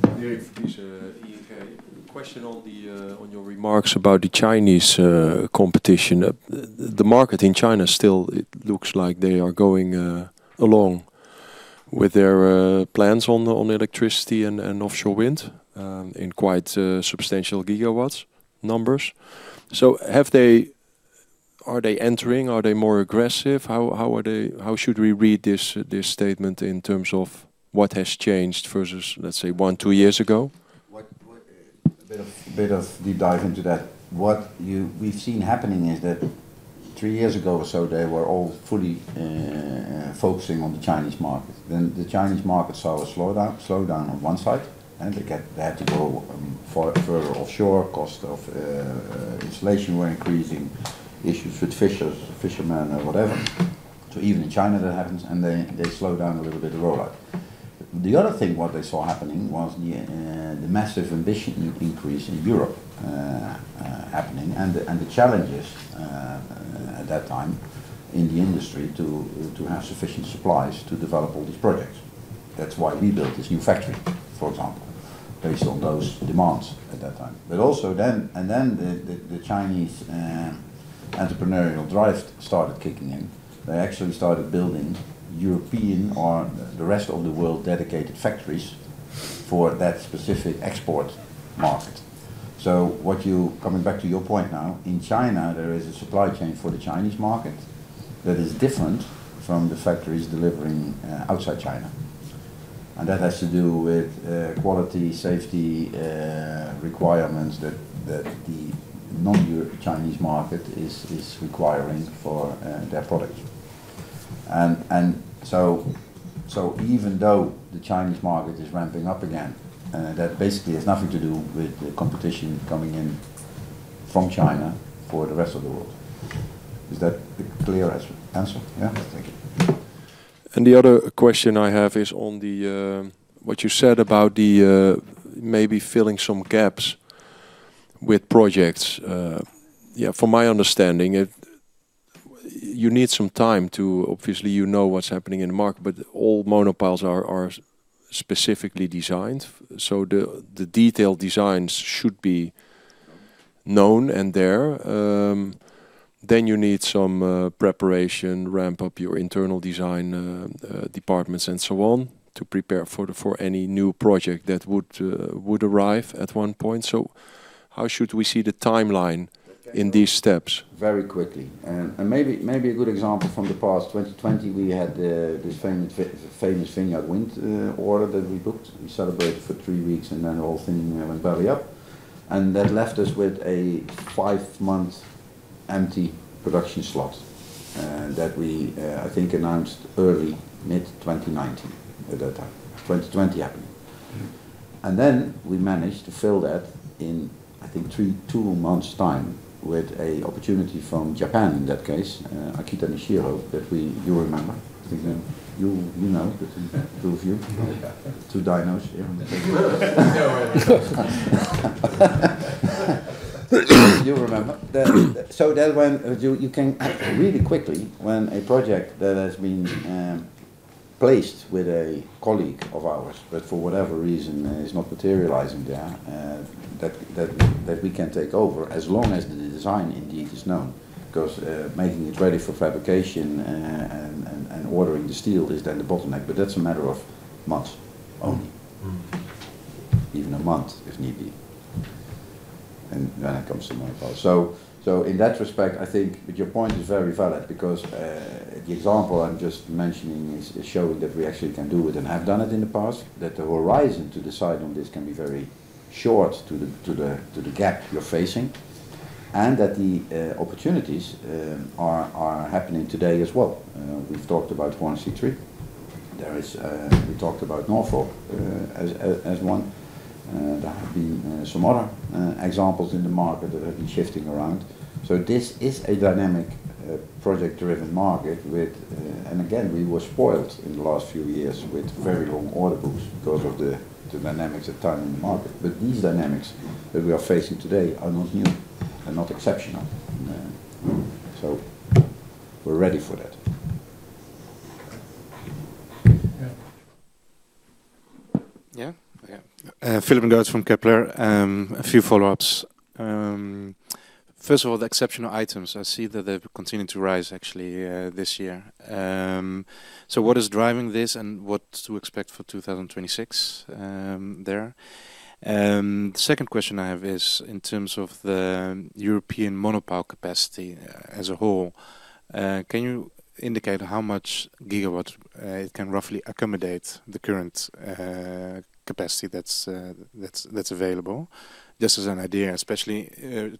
S9: Fred, it's Ian at Q.A. Question on your remarks about the Chinese competition. The market in China still, it looks like they are going along with their plans on electricity and offshore wind in quite substantial gigawatts numbers. Have they? Are they entering? Are they more aggressive? How should we read this statement in terms of what has changed versus, let's say, one, two years ago?
S1: A bit of deep dive into that. What we've seen happening is that. Three years ago or so, they were all fully focusing on the Chinese market. The Chinese market saw a slowdown on one side, and they had to go further offshore. Cost of installation were increasing, issues with fishers, fishermen or whatever. Even in China that happens, and they slowed down a little bit the rollout. The other thing, what they saw happening was the massive ambition increase in Europe happening and the challenges at that time in the industry to have sufficient supplies to develop all these projects. That's why we built this new factory, for example, based on those demands at that time. Also then. Then the Chinese entrepreneurial drive started kicking in. They actually started building European or the rest of the world dedicated factories for that specific export market. Coming back to your point now, in China, there is a supply chain for the Chinese market that is different from the factories delivering outside China. That has to do with quality, safety requirements that the non-Chinese market is requiring for their products. Even though the Chinese market is ramping up again, that basically has nothing to do with the competition coming in from China for the rest of the world. Is that a clear answer? Yeah. Thank you.
S10: The other question I have is on what you said about maybe filling some gaps with projects. Yeah, from my understanding, obviously, you know what's happening in the market, but all monopiles are specifically designed, so the detailed designs should be-
S1: Known...
S9: known and there. Then you need some preparation, ramp up your internal design departments and so on to prepare for any new project that would arrive at one point. How should we see the timeline in these steps?
S1: That changes very quickly. Maybe a good example from the past, 2020, we had this famous Formosa Wind order that we booked. We celebrated for 3 weeks, and then the whole thing went belly up. That left us with a 5-month empty production slot that we I think announced early mid-2019 at that time. 2020 happened.
S9: Mm-hmm.
S1: Then we managed to fill that in, I think, two months' time with an opportunity from Japan in that case, Akita Noshiro, that we. You remember? I think, you know, between the two of you. Two dinos here. You remember. That you can really quickly, when a project that has been placed with a colleague of ours, but for whatever reason, is not materializing there, that we can take over as long as the design indeed is known. 'Cause, making it ready for fabrication and ordering the steel is then the bottleneck, but that's a matter of months only.
S9: Mm.
S1: Even a month, if need be. Then it comes to monopiles. In that respect, I think. Your point is very valid because the example I'm just mentioning is showing that we actually can do it and have done it in the past, that the horizon to decide on this can be very short to the gap you're facing, and that the opportunities are happening today as well. We've talked about One C three. There is, we talked about Norfolk, as one. There have been some other examples in the market that have been shifting around. This is a dynamic project-driven market with. Again, we were spoiled in the last few years with very long order books because of the dynamics at the time in the market. These dynamics that we are facing today are not new and not exceptional. We're ready for that.
S4: Yeah.
S1: Yeah.
S9: Yeah.
S4: Philip Goedvolk from Kepler Cheuvreux. A few follow-ups. First of all, the exceptional items, I see that they've continued to rise actually, this year. So what is driving this, and what to expect for 2026 there? The second question I have is in terms of the European monopile capacity as a whole, can you indicate how much gigawatt it can roughly accommodate, the current capacity that's available? Just as an idea, especially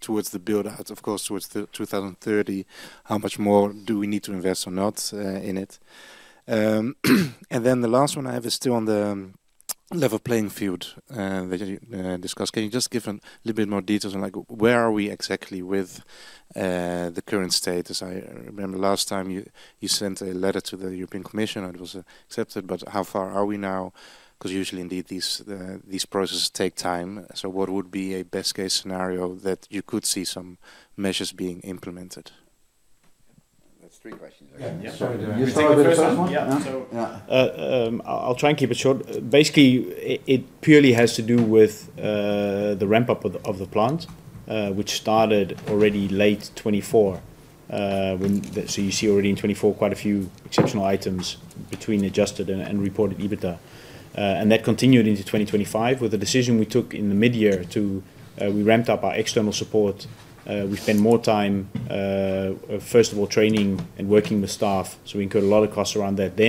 S4: towards the build-out, of course, towards 2030, how much more do we need to invest or not in it? And then the last one I have is still on the level playing field that you discussed. Can you just give a little bit more details on, like, where are we exactly with the current state? As I remember last time, you sent a letter to the European Commission, and it was accepted. But how far are we now? 'Cause usually indeed these processes take time. What would be a best case scenario that you could see some measures being implemented?
S1: That's three questions actually.
S4: Yeah. Sorry.
S1: You start with the first one?
S10: Yeah.
S3: Yeah. I'll try and keep it short. Basically, it purely has to do with the ramp-up of the plant, which started already late 2024. You see already in 2024 quite a few exceptional items between adjusted and reported EBITDA. That continued into 2025 with the decision we took in the mid-year, we ramped up our external support. We spend more time first of all training and working with staff, so we incurred a lot of costs around that.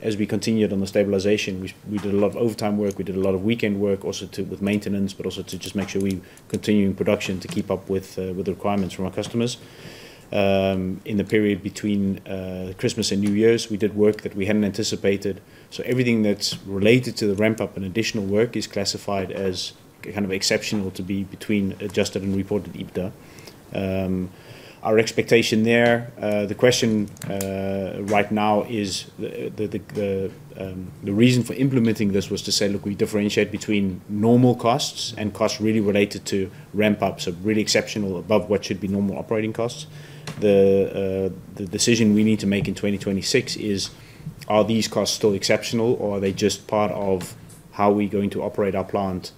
S3: As we continued on the stabilization, we did a lot of overtime work. We did a lot of weekend work also to with maintenance, but also to just make sure we continue in production to keep up with the requirements from our customers. In the period between Christmas and New Year's, we did work that we hadn't anticipated. Everything that's related to the ramp-up and additional work is classified as kind of exceptional to be between adjusted and reported EBITDA. Our expectation there, the question right now is the reason for implementing this was to say, look, we differentiate between normal costs and costs really related to ramp up, so really exceptional above what should be normal operating costs. The decision we need to make in 2026 is, are these costs still exceptional, or are they just part of how we're going to operate our plant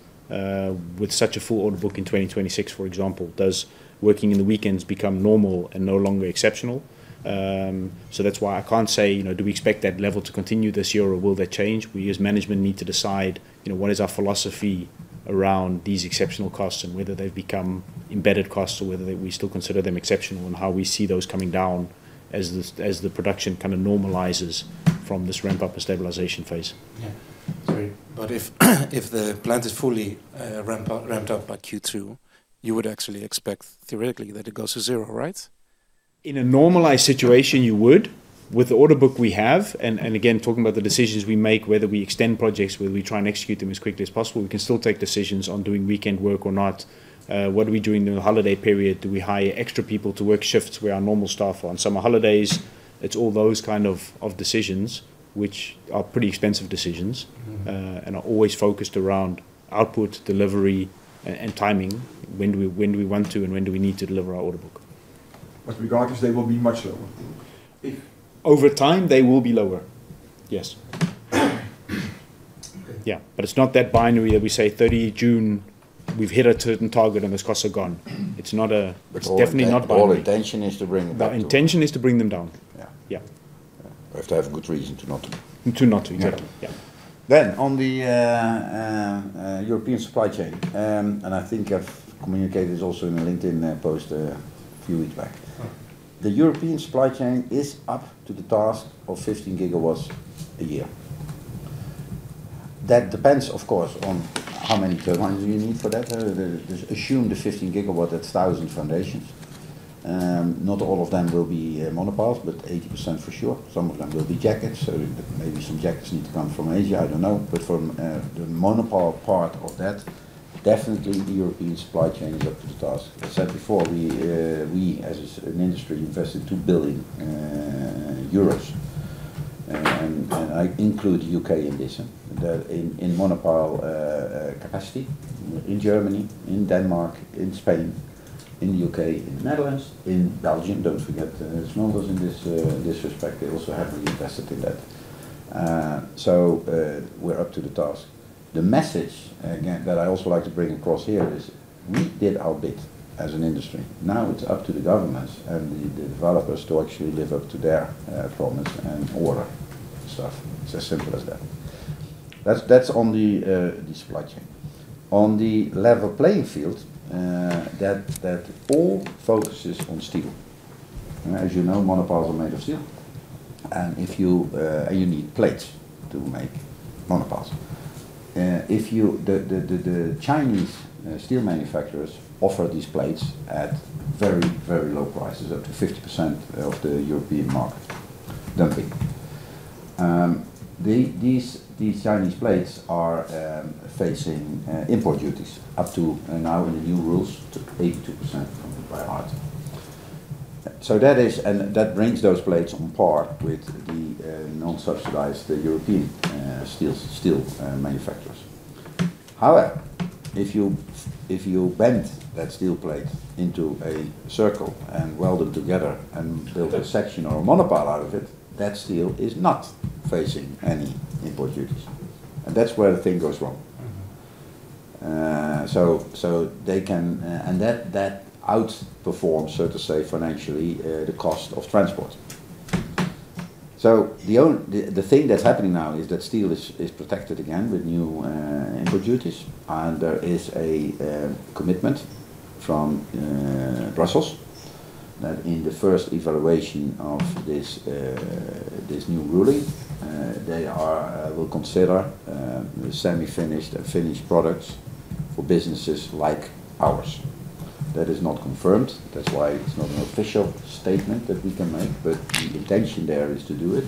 S3: with such a full order book in 2026, for example? Does working in the weekends become normal and no longer exceptional? That's why I can't say, you know, do we expect that level to continue this year, or will that change? We as management need to decide, you know, what is our philosophy around these exceptional costs and whether they've become embedded costs or whether we still consider them exceptional, and how we see those coming down as the production kind of normalizes from this ramp-up and stabilization phase.
S1: Sorry, if the plant is fully ramped up by Q2, you would actually expect theoretically that it goes to zero, right?
S3: In a normalized situation, you would. With the order book we have, and again, talking about the decisions we make, whether we extend projects, whether we try and execute them as quickly as possible, we can still take decisions on doing weekend work or not. What do we do in the holiday period? Do we hire extra people to work shifts where our normal staff are on summer holidays? It's all those kind of decisions, which are pretty expensive decisions.
S1: Mm-hmm
S3: are always focused around output, delivery and timing. When do we want to, and when do we need to deliver our order book?
S1: Regardless, they will be much lower.
S3: Over time, they will be lower, yes. Yeah, but it's not that binary that we say 30 June, we've hit a certain target, and those costs are gone.
S1: But all the-
S3: It's definitely not binary.
S1: All intention is to bring them down.
S3: The intention is to bring them down.
S1: Yeah.
S3: Yeah.
S1: We have to have a good reason to not do.
S3: To not do.
S1: Exactly.
S3: Yeah.
S1: On the European supply chain, and I think I've communicated this also in a LinkedIn post a few weeks back. The European supply chain is up to the task of 15GW a year. That depends, of course, on how many turbines you need for that. Assume the 15GW, that's 1,000 foundations. Not all of them will be monopiles, but 80% for sure. Some of them will be jackets. Maybe some jackets need to come from Asia, I don't know. But from the monopile part of that, definitely the European supply chain is up to the task. I said before, we as an industry invested 2 billion euros, and I include U.K. in this, in monopile capacity in Germany, in Denmark, in Spain, in the U.K., in Netherlands, in Belgium. Don't forget, it's not us in this respect. They also heavily invested in that. We're up to the task. The message, again, that I also like to bring across here is we did our bit as an industry. Now it's up to the governments and the developers to actually live up to their promise and order stuff. It's as simple as that. That's on the supply chain. On the level playing field, that all focuses on steel. As you know, monopiles are made of steel, and if you... You need plates to make monopiles. The Chinese steel manufacturers offer these plates at very, very low prices, up to 50% of the European market dumping. These Chinese plates are facing import duties up to now in the new rules, to 82% from the EU. That brings those plates on par with the non-subsidized European steel manufacturers. However, if you bend that steel plate into a circle and weld them together and build a section or a monopile out of it, that steel is not facing any import duties, and that's where the thing goes wrong.
S3: Mm-hmm.
S1: That outperforms, so to say, financially, the cost of transport. The only thing that's happening now is that steel is protected again with new import duties, and there is a commitment from Brussels that in the first evaluation of this new ruling, they will consider the semi-finished and finished products for businesses like ours. That is not confirmed. That's why it's not an official statement that we can make. The intention there is to do it.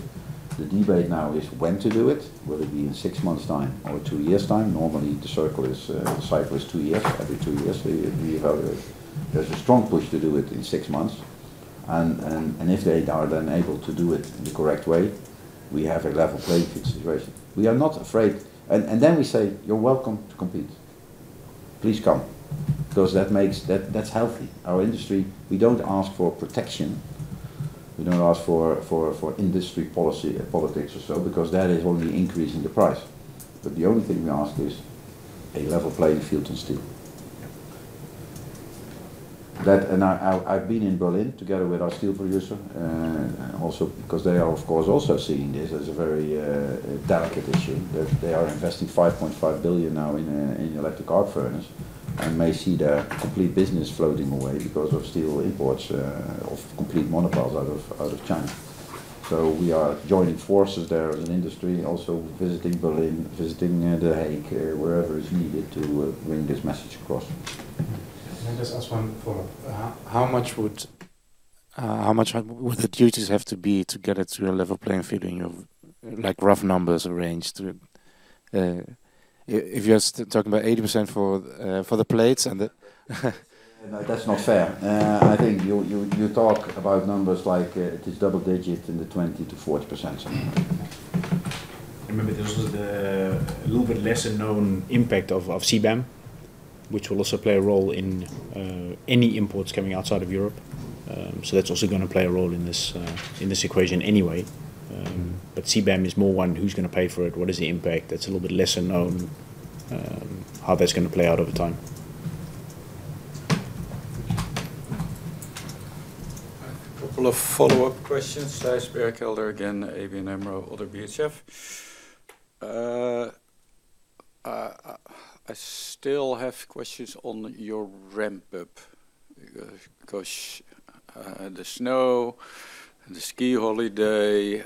S1: The debate now is when to do it, whether it be in six months' time or two years' time. Normally, the cycle is two years. Every two years, we evaluate. There's a strong push to do it in six months, and if they are then able to do it in the correct way, we have a level playing field situation. We are not afraid. Then we say, "You're welcome to compete. Please come," because that makes that's healthy. Our industry, we don't ask for protection. We don't ask for industry policy, politics or so, because that is only increasing the price. The only thing we ask is a level playing field in steel.
S4: Yep.
S1: I've been in Berlin together with our steel producer, and also because they are, of course, also seeing this as a very delicate issue. They are investing 5.5 billion now in electric arc furnace and may see their complete business floating away because of steel imports of complete monopiles out of China. We are joining forces there as an industry, also visiting Berlin, The Hague, wherever is needed to bring this message across.
S4: Can I just ask one follow-up? How much would the duties have to be to get it to a level playing field in your, like, rough numbers or range, too? If you're talking about 80% for the plates and the.
S1: No, that's not fair. I think you talk about numbers like, it is double digit in the 20%-40% somewhere.
S4: Mm-hmm.
S3: Remember, this is a little bit lesser-known impact of CBAM, which will also play a role in any imports coming outside of Europe. That's also gonna play a role in this equation anyway. CBAM is more one who's gonna pay for it, what is the impact, that's a little bit lesser-known, how that's gonna play out over time.
S6: A couple of follow-up questions. Thijs Berkelder again, ABN AMRO, ODDO BHF. I still have questions on your ramp-up because the snow and the ski holiday,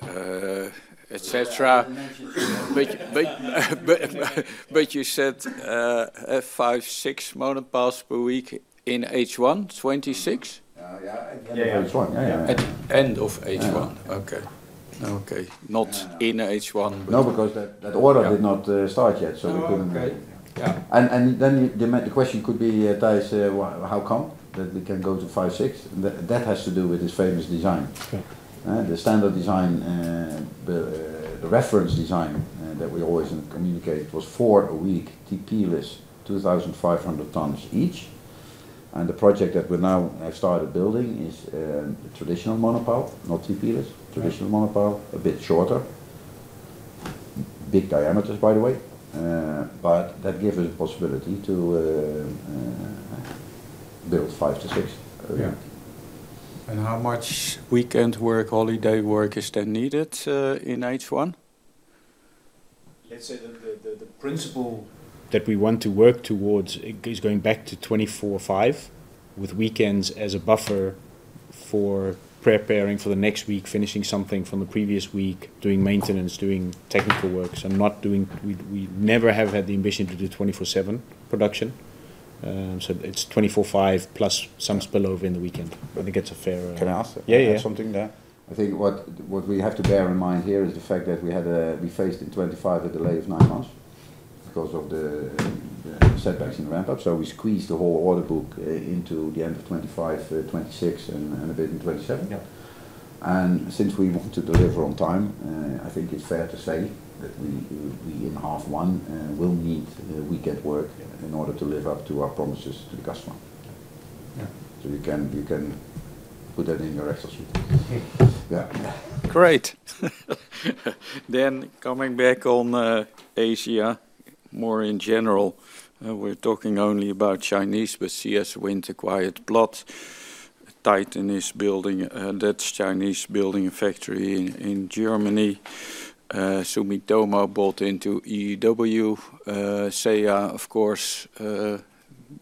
S6: et cetera.
S1: Yeah, I mentioned.
S6: You said 5 monopiles-6 monopiles per week in H1 2026.
S1: Yeah. At the end of H1.
S3: Yeah, yeah.
S6: At end of H1.
S1: Yeah.
S6: Okay. Okay.
S1: Yeah.
S6: Not in H1, but
S1: No, because that order did not start yet, so we couldn't really.
S6: Oh, okay. Yeah.
S1: The question could be, Thijs, why, how come that it can go to 5, 6? That has to do with this famous design.
S6: Okay.
S1: The standard design, the reference design, that we always communicate was 4 a week TP-less, 2,500 tonnes each. The project that we now have started building is traditional monopile, not TP-less.
S6: Right.
S1: Traditional monopile, a bit shorter. Big diameters, by the way. That gives a possibility to build 5-6.
S6: Yeah. How much weekend work, holiday work is then needed in H1?
S3: Let's say that the principle that we want to work towards is going back to 24/5, with weekends as a buffer for preparing for the next week, finishing something from the previous week, doing maintenance, doing technical works, and not doing. We never have had the ambition to do 24/7 production. So it's 24/5+ some spill over in the weekend. I think that's a fair.
S1: Can I ask something?
S3: Yeah, yeah.
S1: I think what we have to bear in mind here is the fact that we faced in 2025 a delay of nine months because of the setbacks in the ramp-up. We squeezed the whole order book into the end of 2025, 2026, and a bit in 2027.
S3: Yeah.
S1: Since we want to deliver on time, I think it's fair to say that we in half one will need weekend work in order to live up to our promises to the customer.
S6: Yeah.
S1: You can put that in your Excel sheet.
S6: Okay.
S1: Yeah.
S6: Great. Coming back on Asia, more in general, we're talking only about Chinese, but CS Wind acquired Bladt. Titan is building, that's Chinese building a factory in Germany. Sumitomo bought into EEW. SeAH, of course,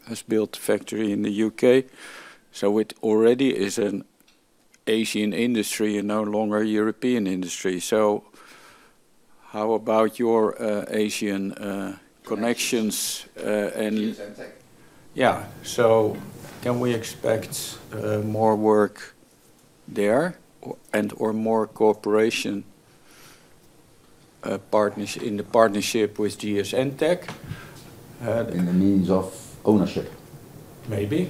S6: has built a factory in the U.K. It already is an Asian industry and no longer a European industry. How about your Asian connections, and-
S1: GS Entec.
S6: Can we expect more work there or and/or more cooperation in the partnership with GS Entec?
S1: In terms of ownership?
S6: Maybe.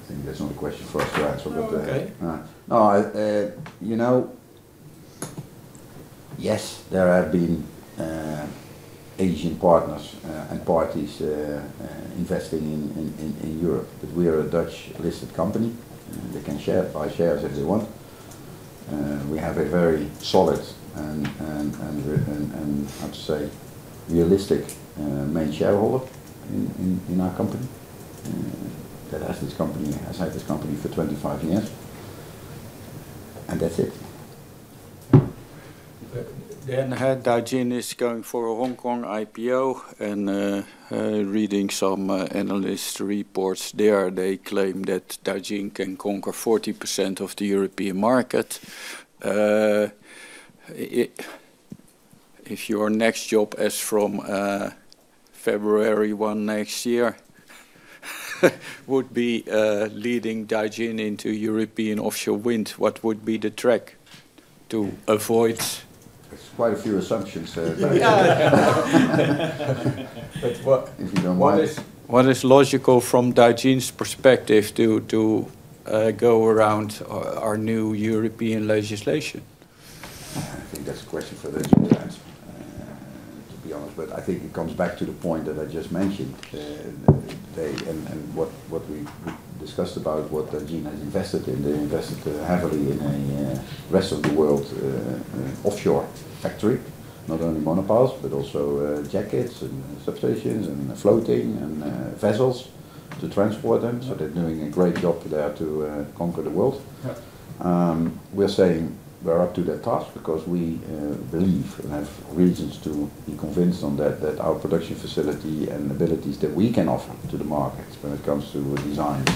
S1: I think that's not a question for us to answer, but.
S6: Okay.
S1: All right. No, you know, yes, there have been Asian partners and parties investing in Europe. We are a Dutch-listed company. They can share, buy shares if they want. We have a very solid and, how to say, realistic main shareholder in our company that has this company, has had this company for 25 years, and that's it.
S6: Heard Dajin is going for a Hong Kong IPO, and reading some analyst reports there, they claim that Dajin can conquer 40% of the European market. If your next job as from February 1 next year would be leading Dajin into European offshore wind, what would be the track to avoid?
S1: That's quite a few assumptions there.
S6: But what-
S1: If you don't mind.
S6: What is logical from Dajin's perspective to go around our new European legislation?
S1: I think that's a question for this one to answer. To be honest, but I think it comes back to the point that I just mentioned, today, and what we discussed about what Dajin has invested in. They invested heavily in a rest of the world offshore factory, not only monopiles, but also jackets and substations and floating and vessels to transport them. They're doing a great job there to conquer the world.
S3: Yeah.
S1: We're saying we're up to that task because we believe and have reasons to be convinced on that our production facility and abilities that we can offer to the markets when it comes to designs,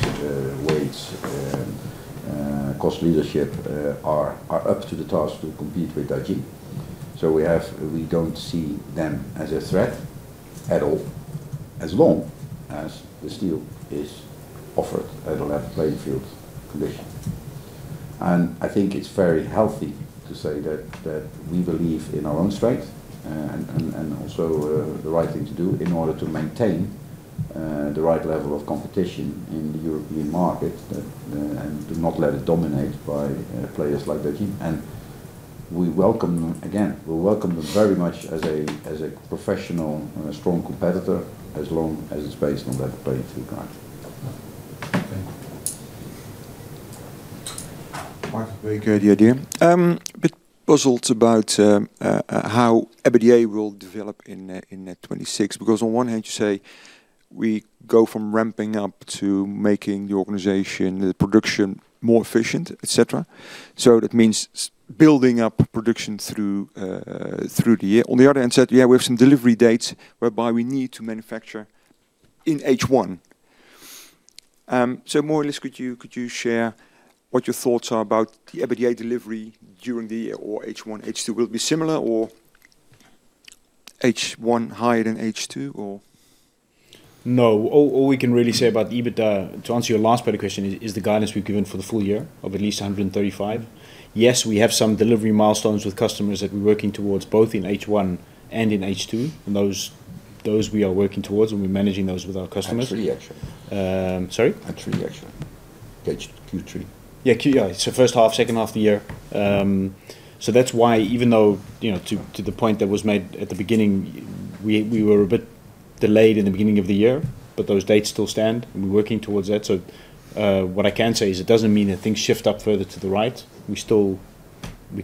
S1: weights, cost leadership, are up to the task to compete with Dajin. We don't see them as a threat at all as long as the steel is offered at a level playing field condition. I think it's very healthy to say that we believe in our own strength and also the right thing to do in order to maintain the right level of competition in the European market and not let it dominate by players like Dajin. We welcome them very much as a professional and a strong competitor as long as it's based on a level playing field.
S5: Okay. Mark, very good idea. Bit puzzled about how EBITDA will develop in 2026, because on one hand you say we go from ramping up to making the organization, the production more efficient, et cetera. That means building up production through the year. On the other hand, you said, yeah, we have some delivery dates whereby we need to manufacture in H1. More or less could you share what your thoughts are about the EBITDA delivery during the year or H1, H2? Will it be similar or H1 higher than H2 or?
S3: No. All we can really say about EBITDA, to answer your last part of the question, is the guidance we've given for the full year of at least 135. Yes, we have some delivery milestones with customers that we're working towards, both in H1 and in H2. Those we are working towards, and we're managing those with our customers.
S1: Actually.
S3: Sorry?
S1: Actually, Q3.
S3: Yeah. H1, H2 of the year. That's why even though, you know, to the point that was made at the beginning, we were a bit delayed in the beginning of the year, but those dates still stand, and we're working towards that. What I can say is it doesn't mean that things shift up further to the right. We still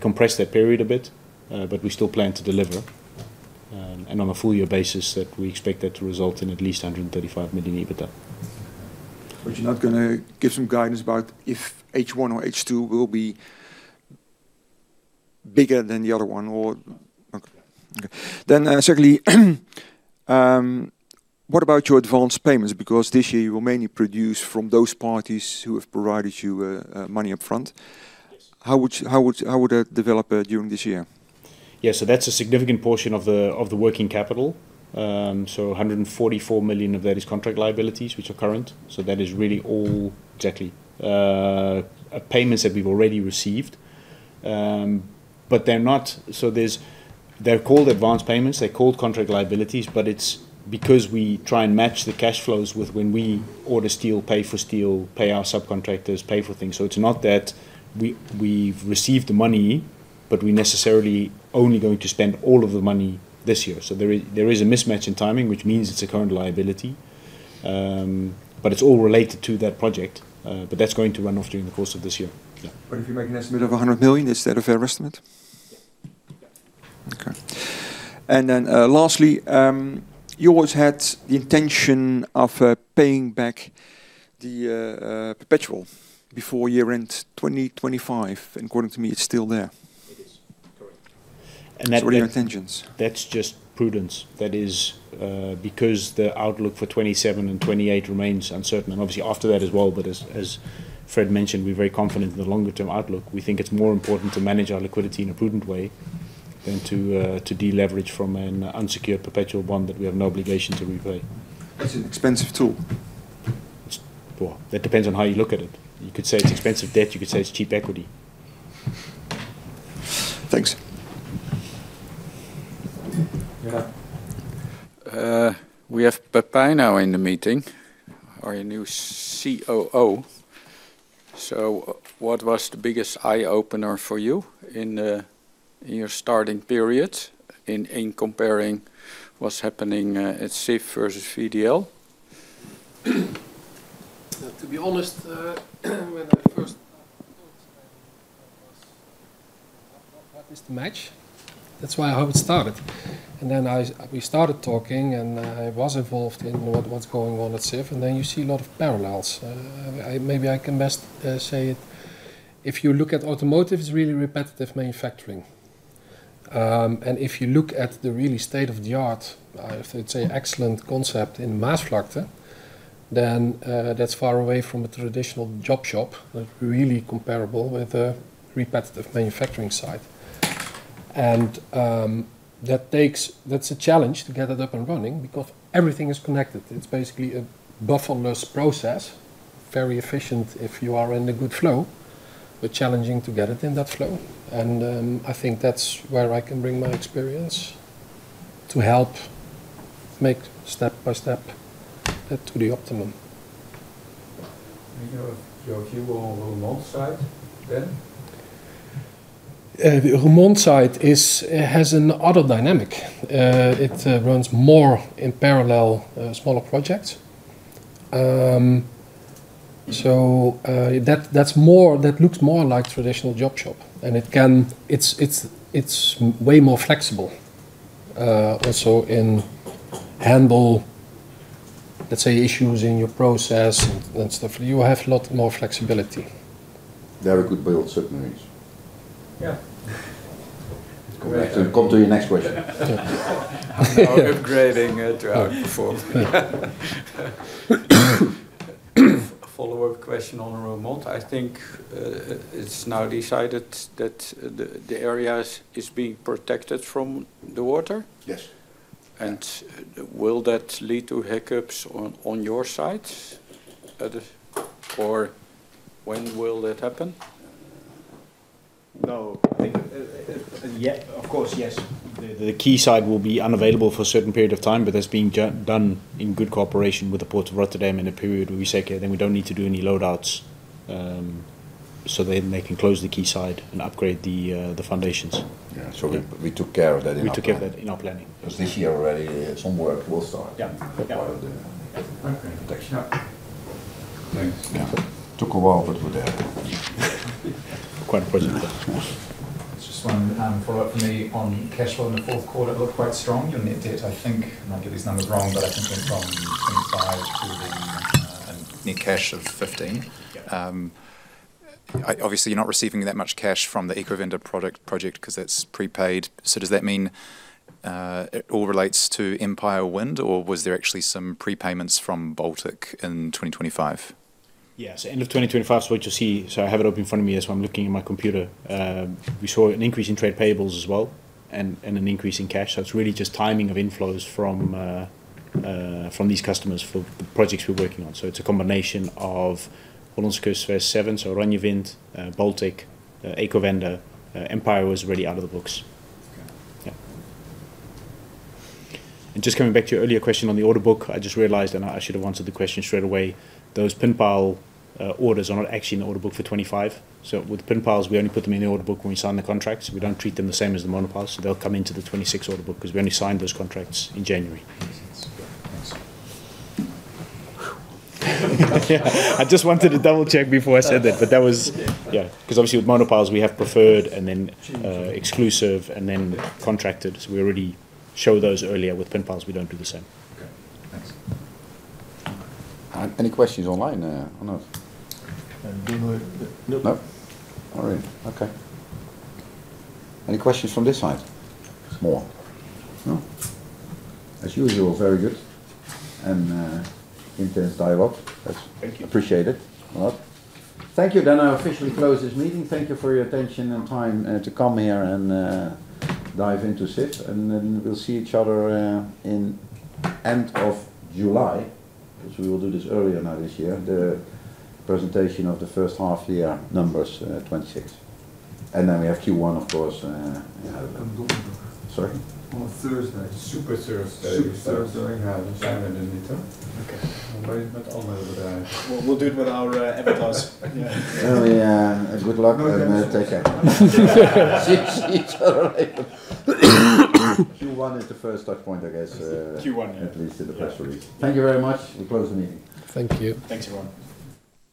S3: compress that period a bit, but we still plan to deliver. On a full year basis, we expect that to result in at least 135 million EBITDA.
S5: You're not gonna give some guidance about if H1 or H2 will be bigger than the other one?
S3: No.
S5: Okay. Secondly, what about your advance payments? Because this year you will mainly produce from those parties who have provided you money up front.
S3: Yes.
S5: How would that develop during this year?
S3: Yeah. That's a significant portion of the working capital. 144 million of that is contract liabilities, which are current. That is really all.
S5: Exactly
S3: Payments that we've already received. They're not. They're called advance payments, they're called contract liabilities, but it's because we try and match the cash flows with when we order steel, pay for steel, pay our subcontractors, pay for things. It's not that we've received the money, but we necessarily only going to spend all of the money this year. There is a mismatch in timing, which means it's a current liability. It's all related to that project. That's going to run off during the course of this year. Yeah.
S5: If you make an estimate of 100 million, is that a fair estimate?
S3: Yes. Yes.
S5: Okay. Lastly, you always had the intention of paying back the perpetual before year-end 2025. According to me, it's still there.
S3: It is. Correct.
S5: What are your intentions?
S3: That's just prudence. That is because the outlook for 2027 and 2028 remains uncertain, and obviously after that as well. But as Fred mentioned, we're very confident in the longer term outlook. We think it's more important to manage our liquidity in a prudent way than to deleverage from an unsecured perpetual bond that we have no obligation to repay.
S5: That's an expensive tool.
S3: Well, that depends on how you look at it. You could say it's expensive debt, you could say it's cheap equity.
S5: Thanks.
S1: Yeah.
S6: We have Pepijn now in the meeting, our new COO. What was the biggest eye-opener for you in your starting period in comparing what's happening at Sif versus VDL?
S2: To be honest, when I first talked to you, I was, "What is the match?" That's why it started. Then we started talking, and I was involved in what's going on at Sif, and then you see a lot of parallels. Maybe I can best say it, if you look at automotive, it's really repetitive manufacturing. If you look at a really state-of-the-art, if it's an excellent concept in Maasvlakte, then that's far away from a traditional job shop, but really comparable with a repetitive manufacturing site. That's a challenge to get it up and running because everything is connected. It's basically a bufferless process, very efficient if you are in a good flow, but challenging to get it in that flow. I think that's where I can bring my experience to help make step-by-step that to the optimum.
S1: Maybe your view on Roermond site then.
S2: The Roermond site is automated. It runs more in parallel, smaller projects. That's more like traditional job shop, and it's way more flexible. Also in handling, let's say, issues in your process and stuff. You have a lot more flexibility.
S1: Very good build certainties.
S6: Yeah.
S1: Come to your next question.
S6: No upgrading throughout the fourth. Follow-up question on Roermond. I think it's now decided that the area is being protected from the water.
S1: Yes.
S11: Will that lead to hiccups on your side? Or when will that happen?
S3: No, I think, yeah, of course, yes. The quayside will be unavailable for a certain period of time, but that's being done in good cooperation with the Port of Rotterdam in a period where we say, "Okay, then we don't need to do any load outs." They can close the quayside and upgrade the foundations.
S1: Yeah. We took care of that in our planning.
S3: We took care of that in our planning.
S1: 'Cause this year already some work will start.
S3: Yeah.
S1: For part of the protection.
S11: Yeah. Thanks.
S1: Yeah. Took a while, but we're there.
S3: Quite impressive.
S1: Yes.
S7: Just one follow-up from me on cash flow in the fourth quarter. It looked quite strong. Your net debt, I think, and I'll get these numbers wrong, but I think went from 25 to then a net cash of 15.
S3: Yeah.
S7: Obviously you're not receiving that much cash from the Ecowende project 'cause that's prepaid. Does that mean it all relates to Empire Wind? Or was there actually some prepayments from Baltic in 2025?
S3: Yes, end of 2025, what you see. I have it up in front of me as well. I'm looking at my computer. We saw an increase in trade payables as well and an increase in cash. It's really just timing of inflows from these customers for the projects we're working on. It's a combination of Hollandse Kust West VII, so OranjeWind, Baltic, Ecowende. Empire Wind was already out of the books.
S7: Okay.
S3: Yeah. Just coming back to your earlier question on the order book, I just realized, and I should have answered the question straight away, those pin piles orders are not actually in the order book for 25. With pin piles, we only put them in the order book when we sign the contracts. We don't treat them the same as the monopiles, so they'll come into the 26 order book 'cause we only signed those contracts in January.
S7: Thanks.
S3: I just wanted to double-check before I said that, but that was.
S7: Yeah.
S3: Yeah. 'Cause obviously with monopiles we have preferred and then exclusive and then contracted, so we already show those earlier. With pin piles we don't do the same.
S7: Okay, thanks.
S1: Any questions online, or not?
S11: Didn't work. No.
S1: No? All right. Okay. Any questions from this side? Small. No. As usual, very good. Intense dialogue.
S3: Thank you.
S1: Appreciated a lot. Thank you. I officially close this meeting. Thank you for your attention and time to come here and dive into Sif. We'll see each other at the end of July, as we will do this earlier now this year, the presentation of the H1 year numbers, twenty-sixth. We have Q1, of course, yeah.
S11: On Thursday.
S1: Sorry?
S11: On Thursday.
S7: Super Thursday.
S11: Super Thursday. Okay.
S1: We'll do it with our avatars. Yeah. Good luck and take care. See each other later. Q1 is the first touch point, I guess.
S3: Q1, yeah.
S1: At least in the press release. Thank you very much. We close the meeting.
S11: Thank you.
S3: Thanks, everyone.